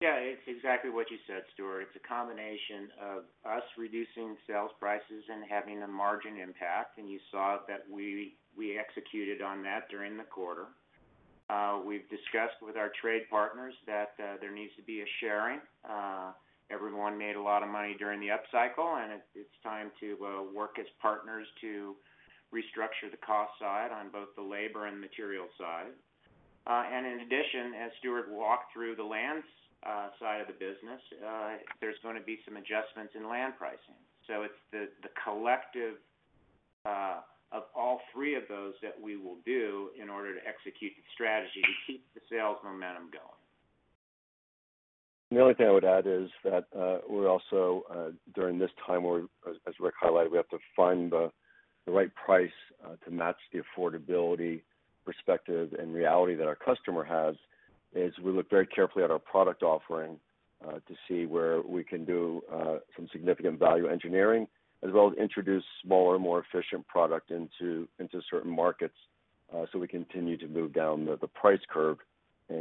Yeah. It's exactly what you said, Stuart. It's a combination of us reducing sales prices and having a margin impact. You saw that we executed on that during the quarter. We've discussed with our trade partners that there needs to be a sharing. Everyone made a lot of money during the upcycle, and it's time to work as partners to restructure the cost side on both the labor and material side. In addition, as Stuart walked through the land side of the business, there's gonna be some adjustments in land pricing. It's the collective of all three of those that we will do in order to execute the strategy to keep the sales momentum going. The only thing I would add is that we also during this time whereas as Rick highlighted we have to find the right price to match the affordability perspective and reality that our customer has is we look very carefully at our product offering to see where we can do some significant value engineering as well as introduce smaller more efficient product into certain markets so we continue to move down the price curve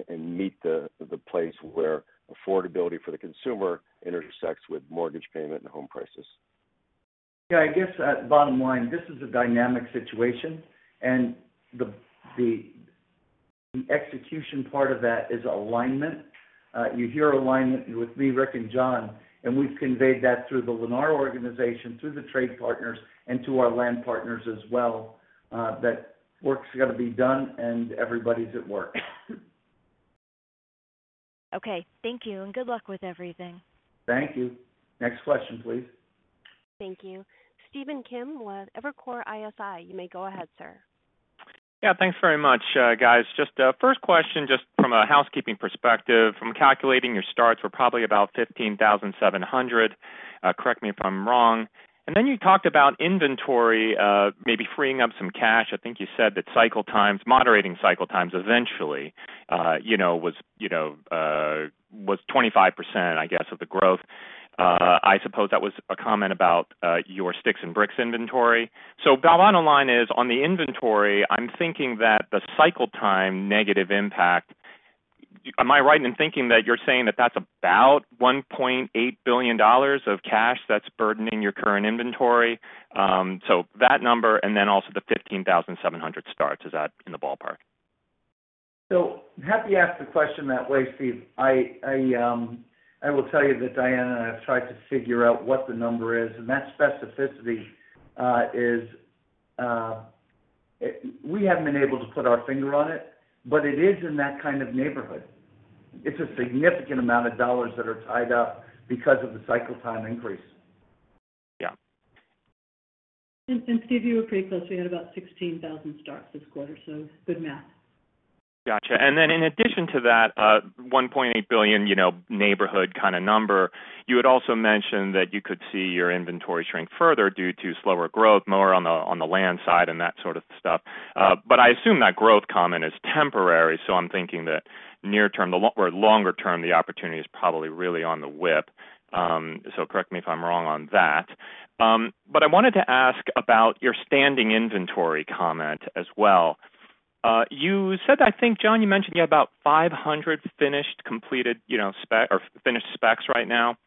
and meet the place where affordability for the consumer intersects with mortgage payment and home prices. Yeah, I guess at the bottom line, this is a dynamic situation, and the execution part of that is alignment. You hear alignment with me, Rick, and Jon, and we've conveyed that through the Lennar organization, through the trade partners, and to our land partners as well, that work's got to be done and everybody's at work. Okay. Thank you, and good luck with everything. Thank you. Next question, please. Thank you. Stephen Kim with Evercore ISI, you may go ahead, sir. Yeah. Thanks very much, guys. Just, first question, just from a housekeeping perspective. From calculating your starts, we're probably about 15,700. Correct me if I'm wrong. Then you talked about inventory, maybe freeing up some cash. I think you said that cycle times, moderating cycle times eventually, you know, was 25%, I guess, of the growth. I suppose that was a comment about your sticks and bricks inventory. The bottom line is, on the inventory, I'm thinking that the cycle time negative impact, am I right in thinking that you're saying that that's about $1.8 billion of cash that's burdening your current inventory? That number and then also the 15,700 starts, is that in the ballpark? Happy you asked the question that way, Steve. I will tell you that Diane and I have tried to figure out what the number is, and that specificity we haven't been able to put our finger on it, but it is in that kind of neighborhood. It's a significant amount of dollars that are tied up because of the cycle time increase. Yeah. Steve, you were pretty close. We had about 16,000 starts this quarter, so good math. Gotcha. In addition to that, $1.8 billion, you know, neighborhood kind of number, you had also mentioned that you could see your inventory shrink further due to slower growth, more on the, on the land side and that sort of stuff. I assume that growth comment is temporary, so I'm thinking that near term, or longer term, the opportunity is probably really on the WIP. Correct me if I'm wrong on that. I wanted to ask about your standing inventory comment as well. You said, I think, John, you mentioned you had about 500 finished, completed, you know, spec or finished specs right now.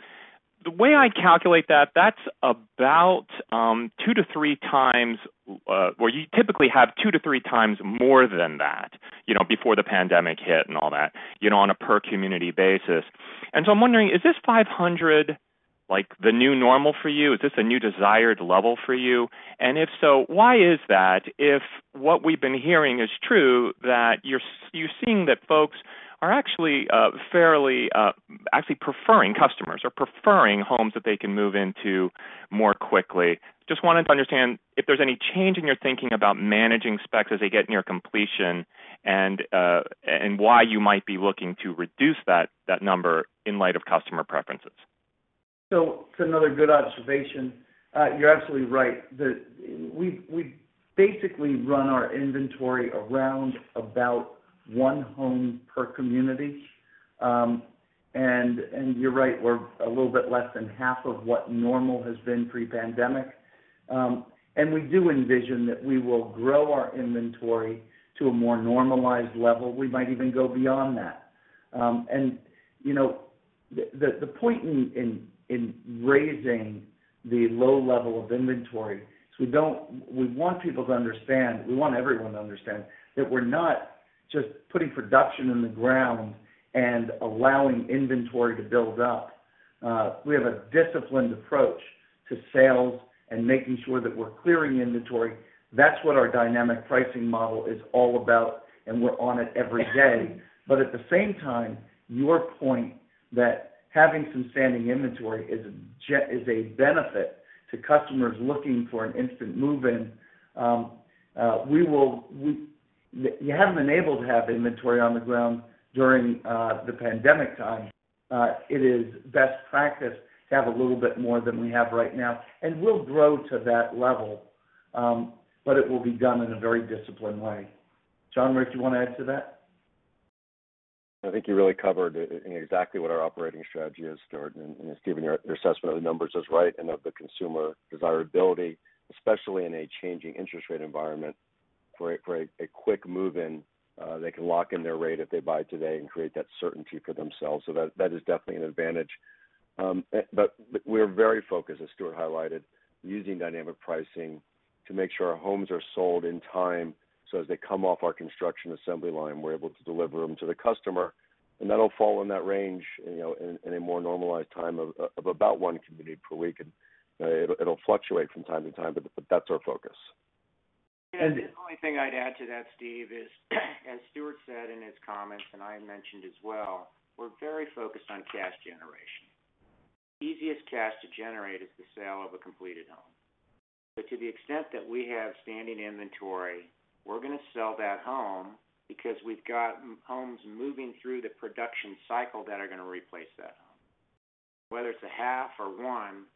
The way I calculate that's about 2-3 times where you typically have 2-3 times more than that, you know, before the pandemic hit and all that, you know, on a per community basis. I'm wondering, is this 500 like the new normal for you? Is this a new desired level for you? And if so, why is that? If what we've been hearing is true that you're seeing that folks are actually fairly actually preferring customers or preferring homes that they can move into more quickly. Just wanted to understand if there's any change in your thinking about managing specs as they get near completion and why you might be looking to reduce that number in light of customer preferences. It's another good observation. You're absolutely right. We've basically run our inventory around about one home per community. You're right, we're a little bit less than half of what normal has been pre-pandemic. We do envision that we will grow our inventory to a more normalized level. We might even go beyond that. You know, the point in raising the low level of inventory is we want people to understand, we want everyone to understand that we're not just putting production in the ground and allowing inventory to build up. We have a disciplined approach to sales and making sure that we're clearing inventory. That's what our dynamic pricing model is all about, and we're on it every day. At the same time, your point that having some standing inventory is a benefit to customers looking for an instant move-in, we will. You haven't been able to have inventory on the ground during the pandemic time. It is best practice to have a little bit more than we have right now, and we'll grow to that level, but it will be done in a very disciplined way. Jon, Rick, you wanna add to that? I think you really covered exactly what our operating strategy is, Stuart, and as given your assessment of the numbers is right and of the consumer desirability, especially in a changing interest rate environment for a quick move-in, they can lock in their rate if they buy today and create that certainty for themselves. That is definitely an advantage. We're very focused, as Stuart highlighted, using dynamic pricing to make sure our homes are sold in time, so as they come off our construction assembly line, we're able to deliver them to the customer. That'll fall in that range, you know, in a more normalized time of about one community per week. It'll fluctuate from time to time, but that's our focus. And- The only thing I'd add to that, Steve, is as Stuart said in his comments and I mentioned as well, we're very focused on cash generation. Easiest cash to generate is the sale of a completed home. To the extent that we have standing inventory, we're gonna sell that home because we've got homes moving through the production cycle that are gonna replace that home. Whether it's a half or one,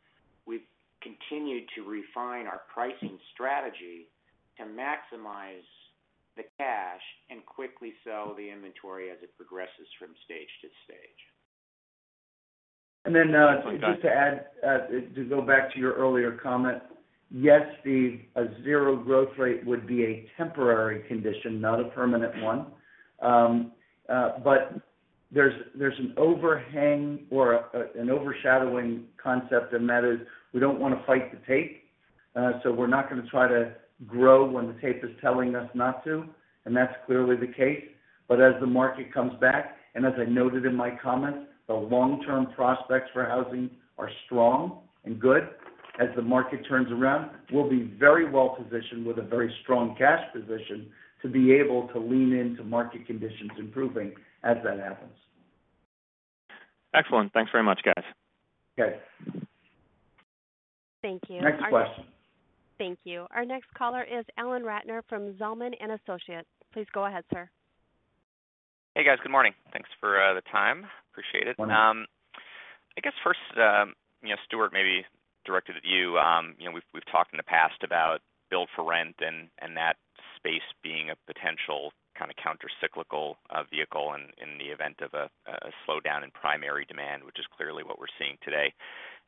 we've continued to refine our pricing strategy to maximize the cash and quickly sell the inventory as it progresses from stage to stage. Just to add, to go back to your earlier comment, yes, Steve, a zero growth rate would be a temporary condition, not a permanent one. But there's an overhang or an overshadowing concept, and that is we don't wanna fight the tape. So we're not gonna try to grow when the tape is telling us not to, and that's clearly the case. But as the market comes back, and as I noted in my comments, the long-term prospects for housing are strong and good. As the market turns around, we'll be very well positioned with a very strong cash position to be able to lean into market conditions improving as that happens. Excellent. Thanks very much, guys. Okay. Thank you. Next question. Thank you. Our next caller is Alan Ratner from Zelman & Associates. Please go ahead, sir. Hey, guys. Good morning. Thanks for the time. Appreciate it. Morning. I guess first, you know, Stuart, maybe directed at you. You know, we've talked in the past about build for rent and that space being a potential kinda countercyclical vehicle in the event of a slowdown in primary demand, which is clearly what we're seeing today.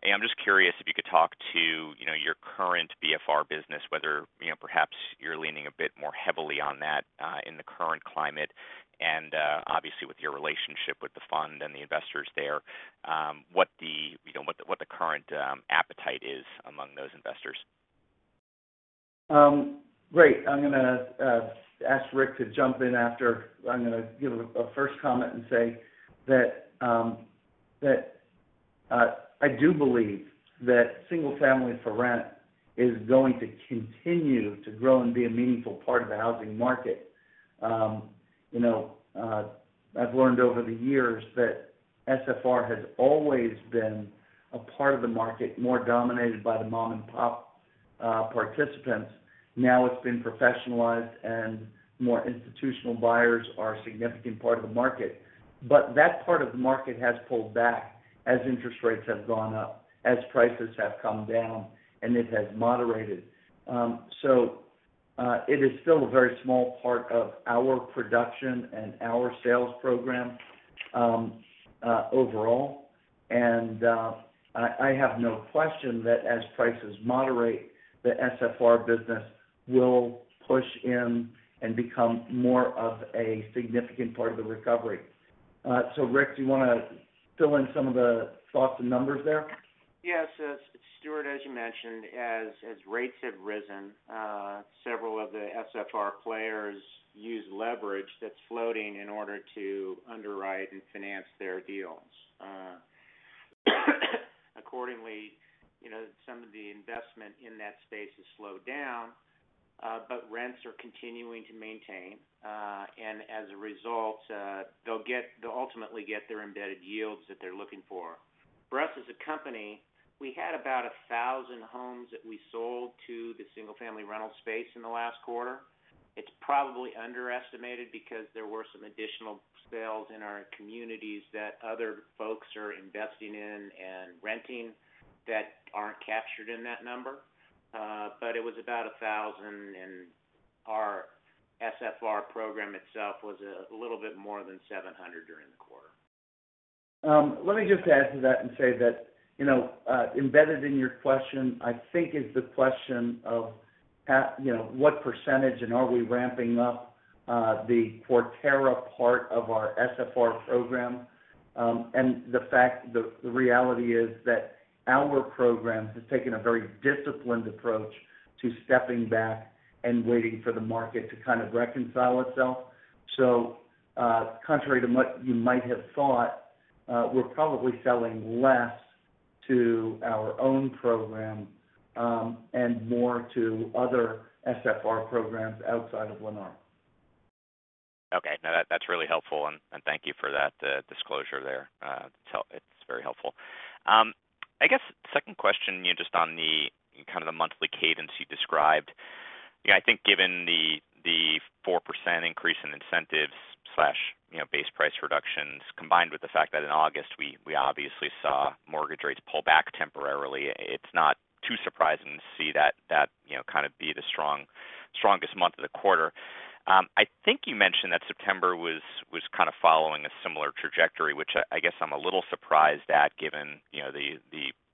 I'm just curious if you could talk to, you know, your current BFR business, whether, you know, perhaps you're leaning a bit more heavily on that in the current climate and obviously with your relationship with the fund and the investors there, what the current appetite is among those investors. Great. I'm gonna ask Rick to jump in after. I'm gonna give a first comment and say that I do believe that single family for rent is going to continue to grow and be a meaningful part of the housing market. You know, I've learned over the years that SFR has always been a part of the market more dominated by the mom-and-pop participants. Now it's been professionalized, and more institutional buyers are a significant part of the market. That part of the market has pulled back as interest rates have gone up, as prices have come down, and it has moderated. It is still a very small part of our production and our sales program, overall. I have no question that as prices moderate, the SFR business will push in and become more of a significant part of the recovery. Rick, do you wanna fill in some of the thoughts and numbers there? Yes. Stuart, as you mentioned, as rates have risen, several of the SFR players use leverage that's floating in order to underwrite and finance their deals. Accordingly, you know, some of the investment in that space has slowed down, but rents are continuing to maintain. As a result, they'll ultimately get their embedded yields that they're looking for. For us as a company, we had about 1,000 homes that we sold to the single family rental space in the last quarter. It's probably underestimated because there were some additional sales in our communities that other folks are investing in and renting that aren't captured in that number. It was about 1,000, and our SFR program itself was a little bit more than 700 during the quarter. Let me just add to that and say that, you know, embedded in your question, I think is the question of you know, what percentage and are we ramping up, the Forterra part of our SFR program. The reality is that our program has taken a very disciplined approach to stepping back and waiting for the market to kind of reconcile itself. Contrary to what you might have thought, we're probably selling less to our own program, and more to other SFR programs outside of Lennar. Okay. No, that's really helpful, and thank you for that disclosure there. It's very helpful. I guess second question, you know, just on the kind of monthly cadence you described. You know, I think given the 4% increase in incentives slash base price reductions, combined with the fact that in August, we obviously saw mortgage rates pull back temporarily, it's not too surprising to see that you know kind of be the strongest month of the quarter. I think you mentioned that September was kind of following a similar trajectory, which I guess I'm a little surprised at, given you know the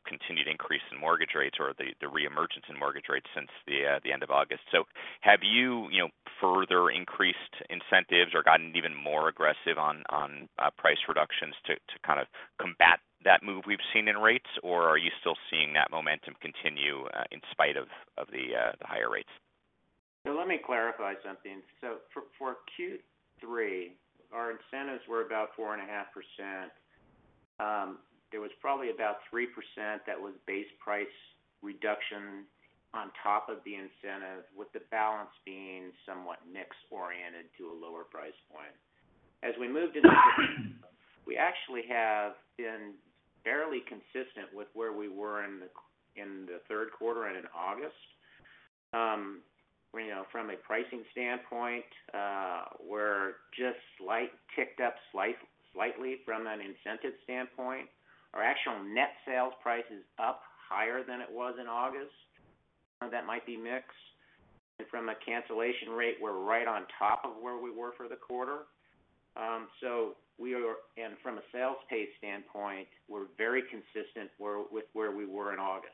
continued increase in mortgage rates or the reemergence in mortgage rates since the end of August. Have you know, further increased incentives or gotten even more aggressive on price reductions to kind of combat that move we've seen in rates, or are you still seeing that momentum continue in spite of the higher rates? Let me clarify something. For Q3, our incentives were about 4.5%. It was probably about 3% that was base price reduction on top of the incentive, with the balance being somewhat mix oriented to a lower price point. As we moved into Q4, we actually have been fairly consistent with where we were in the third quarter and in August. You know, from a pricing standpoint, we're just ticked up slightly from an incentive standpoint. Our actual net sales price is up higher than it was in August. Some of that might be mix. From a cancellation rate, we're right on top of where we were for the quarter. From a sales pace standpoint, we're very consistent with where we were in August.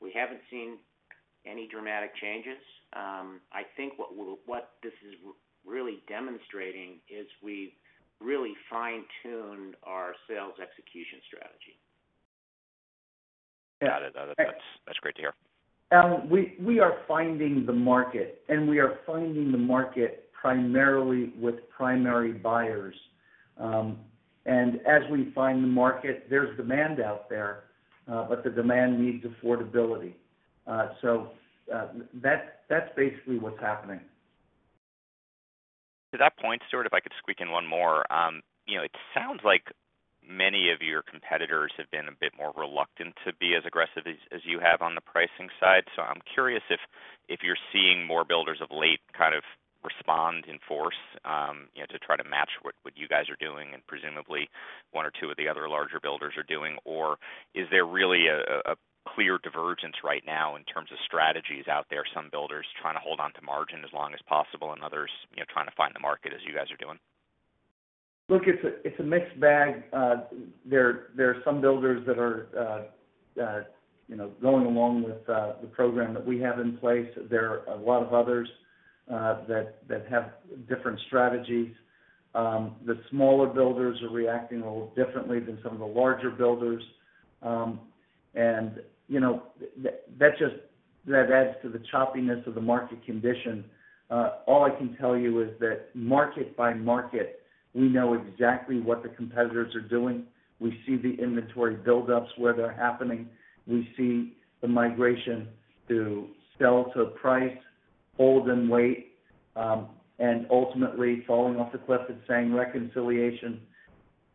We haven't seen any dramatic changes. I think what this is really demonstrating is we've really fine-tuned our sales execution strategy. Got it. That's great to hear. We are finding the market primarily with primary buyers. As we find the market, there's demand out there, but the demand needs affordability. That's basically what's happening. To that point, Stuart, if I could squeak in one more. You know, it sounds like many of your competitors have been a bit more reluctant to be as aggressive as you have on the pricing side. I'm curious if you're seeing more builders of late kind of respond in force, you know, to try to match what you guys are doing and presumably one or two of the other larger builders are doing, or is there really a clear divergence right now in terms of strategies out there, some builders trying to hold onto margin as long as possible and others, you know, trying to find the market as you guys are doing? Look, it's a mixed bag. There are some builders that are, you know, going along with the program that we have in place. There are a lot of others that have different strategies. The smaller builders are reacting a little differently than some of the larger builders. You know, that adds to the choppiness of the market condition. All I can tell you is that market by market, we know exactly what the competitors are doing. We see the inventory buildups where they're happening. We see the migration to sell to price, hold and wait, and ultimately falling off the cliff and saying reconciliation.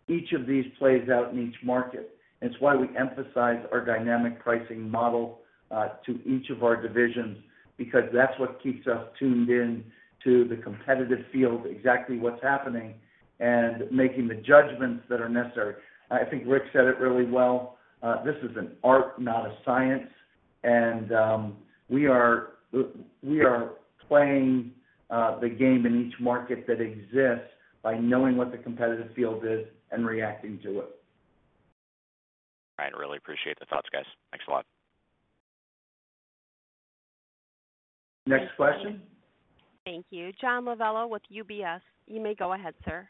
Each of these plays out in each market. It's why we emphasize our dynamic pricing model to each of our divisions, because that's what keeps us tuned in to the competitive field, exactly what's happening, and making the judgments that are necessary. I think Rick said it really well. This is an art, not a science. We are playing the game in each market that exists by knowing what the competitive field is and reacting to it. I, really appreciate the thoughts, guys. Thanks a lot. Next question. Thank you. John Lovallo with UBS. You may go ahead, sir.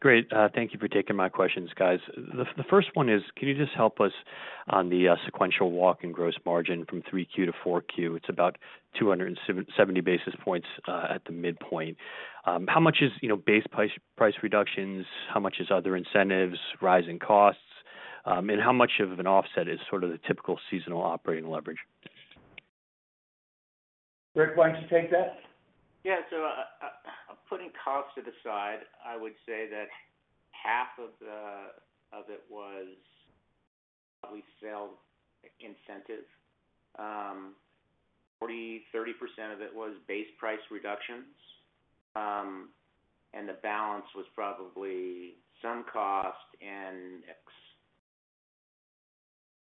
Great. Thank you for taking my questions, guys. The first one is, can you just help us on the sequential walk in gross margin from 3Q to 4Q? It's about 270 basis points at the midpoint. How much is, you know, base price reductions? How much is other incentives, rising costs? And how much of an offset is sort of the typical seasonal operating leverage? Rick, why don't you take that? Yeah. Putting costs to the side, I would say that half of it was probably sales incentive. 30% of it was base price reductions. The balance was probably some cost and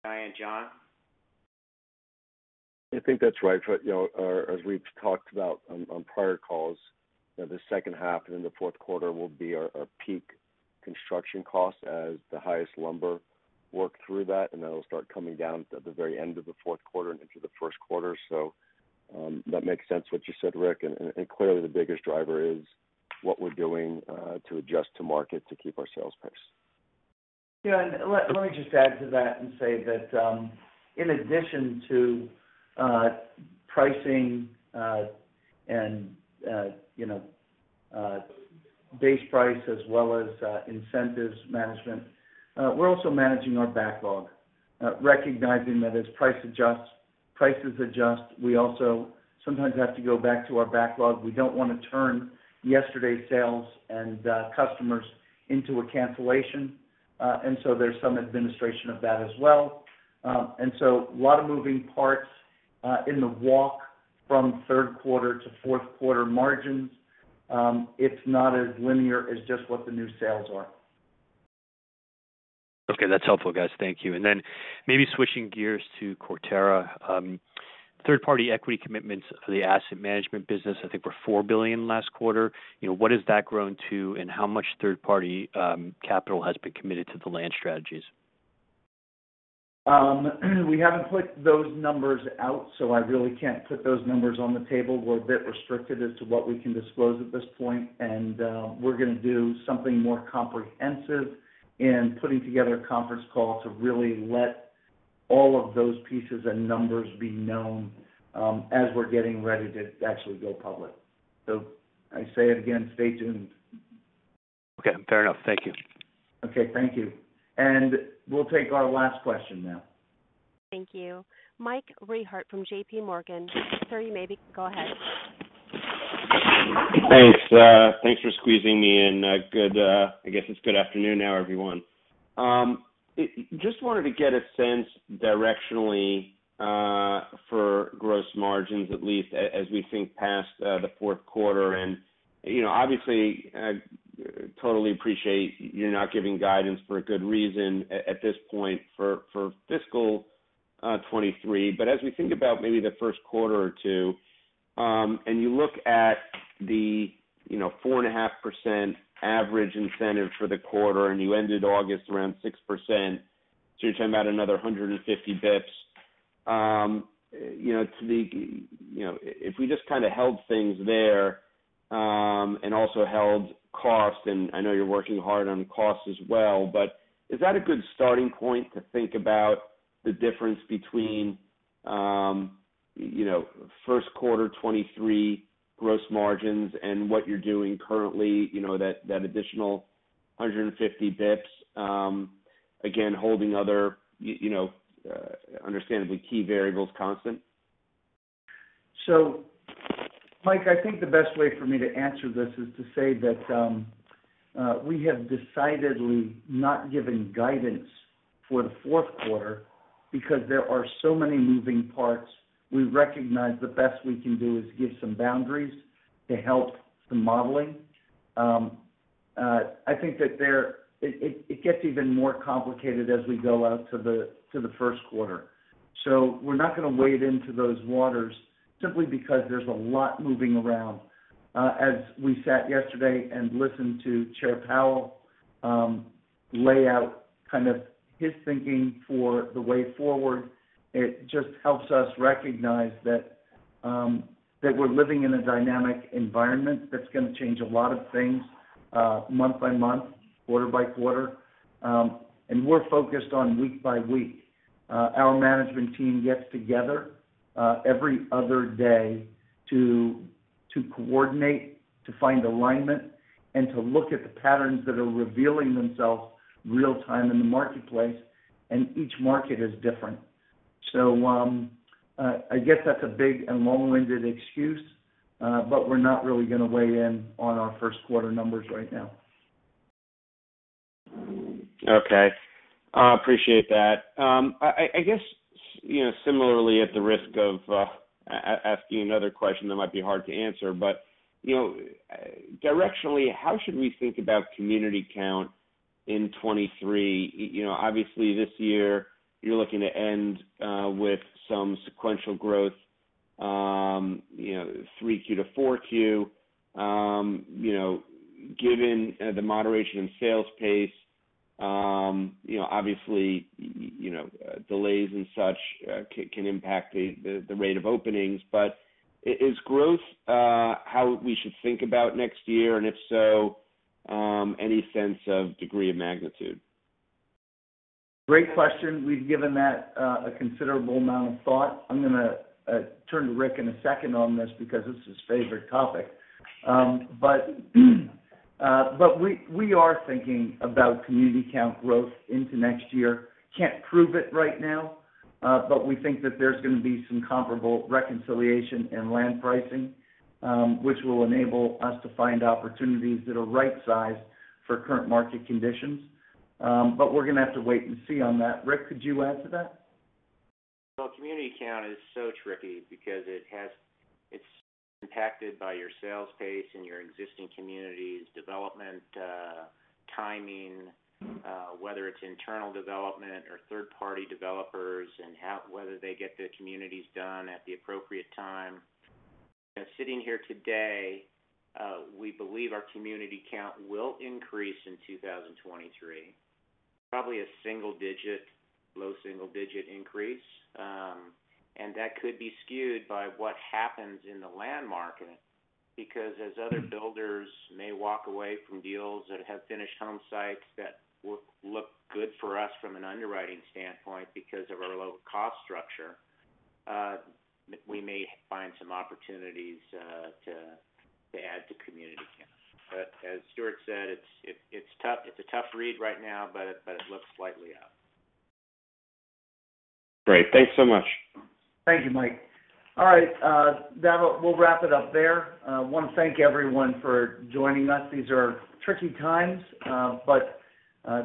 mix. Guy and John? I think that's right. You know, as we've talked about on prior calls, you know, the second half and in the fourth quarter will be our peak construction costs as the highest lumber work through that, and that'll start coming down at the very end of the fourth quarter and into the first quarter. That makes sense what you said, Rick. Clearly the biggest driver is what we're doing to adjust to market to keep our sales pace. Yeah. Let me just add to that and say that in addition to pricing and you know base price as well as incentives management, we're also managing our backlog, recognizing that as price adjusts, prices adjust, we also sometimes have to go back to our backlog. We don't wanna turn yesterday's sales and customers into a cancellation. There's some administration of that as well. A lot of moving parts in the walk from third quarter to fourth quarter margins. It's not as linear as just what the new sales are. Okay. That's helpful, guys. Thank you. Then maybe switching gears to Quarterra, third-party equity commitments for the asset management business, I think were $4 billion last quarter. You know, what has that grown to, and how much third party capital has been committed to the land strategies? We haven't put those numbers out, so I really can't put those numbers on the table. We're a bit restricted as to what we can disclose at this point, and we're gonna do something more comprehensive in putting together a conference call to really let all of those pieces and numbers be known, as we're getting ready to actually go public. I say it again, stay tuned. Okay. Fair enough. Thank you. Okay. Thank you. We'll take our last question now. Thank you. Michael Rehaut from JPMorgan. Sir, you may go ahead. Thanks for squeezing me in. I guess it's good afternoon now, everyone. Just wanted to get a sense directionally for gross margins, at least as we think past the fourth quarter. You know, obviously, I totally appreciate you're not giving guidance for a good reason at this point for fiscal 2023. As we think about maybe the first quarter or two, and you look at the, you know, 4.5% average incentive for the quarter, and you ended August around 6%, so you're talking about another 150 basis points. You know, if we just kinda held things there and also held costs, and I know you're working hard on costs as well, but is that a good starting point to think about the difference between, you know, first quarter 2023 gross margins and what you're doing currently, you know, that additional 150 basis points, again, holding other, you know, understandably key variables constant? Mike, I think the best way for me to answer this is to say that we have decidedly not given guidance for the fourth quarter because there are so many moving parts. We recognize the best we can do is give some boundaries to help the modeling. I think that it gets even more complicated as we go out to the first quarter. We're not gonna wade into those waters simply because there's a lot moving around. As we sat yesterday and listened to Chair Powell lay out kind of his thinking for the way forward, it just helps us recognize that we're living in a dynamic environment that's gonna change a lot of things, month by month, quarter-by-quarter. We're focused on week by week. Our management team gets together every other day to coordinate, to find alignment, and to look at the patterns that are revealing themselves real-time in the marketplace, and each market is different. I guess that's a big and long-winded excuse, but we're not really gonna weigh in on our first quarter numbers right now. Okay. I appreciate that. I guess, you know, similarly, at the risk of asking another question that might be hard to answer, but, you know, directionally, how should we think about community count in 2023? You know, obviously, this year, you're looking to end with some sequential growth, you know, 3Q-4Q. You know, given the moderation in sales pace, you know, obviously, you know, delays and such can impact the rate of openings. But is growth how we should think about next year? And if so, any sense of degree of magnitude? Great question. We've given that a considerable amount of thought. I'm gonna turn to Rick in a second on this because it's his favorite topic. We are thinking about community count growth into next year. Can't prove it right now, but we think that there's gonna be some comparable reconciliation and land pricing, which will enable us to find opportunities that are right-sized for current market conditions. We're gonna have to wait and see on that. Rick, could you add to that? Well, community count is so tricky because it's impacted by your sales pace and your existing communities, development, timing, whether it's internal development or third-party developers, and whether they get their communities done at the appropriate time. Sitting here today, we believe our community count will increase in 2023, probably a single digit, low single-digit increase. That could be skewed by what happens in the land market, because as other builders may walk away from deals that have finished home sites that look good for us from an underwriting standpoint because of our low cost structure, we may find some opportunities to add to community count. As Stuart said, it's tough. It's a tough read right now, but it looks slightly up. Great. Thanks so much. Thank you, Mike. All right. Now we'll wrap it up there. I wanna thank everyone for joining us. These are tricky times, but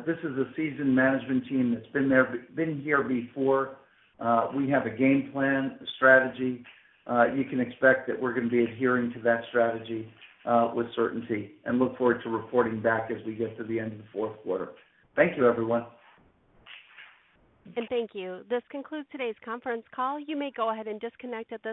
this is a seasoned management team that's been here before. We have a game plan, a strategy. You can expect that we're gonna be adhering to that strategy with certainty, and look forward to reporting back as we get to the end of the fourth quarter. Thank you, everyone. Thank you. This concludes today's conference call. You may go ahead and disconnect at this time.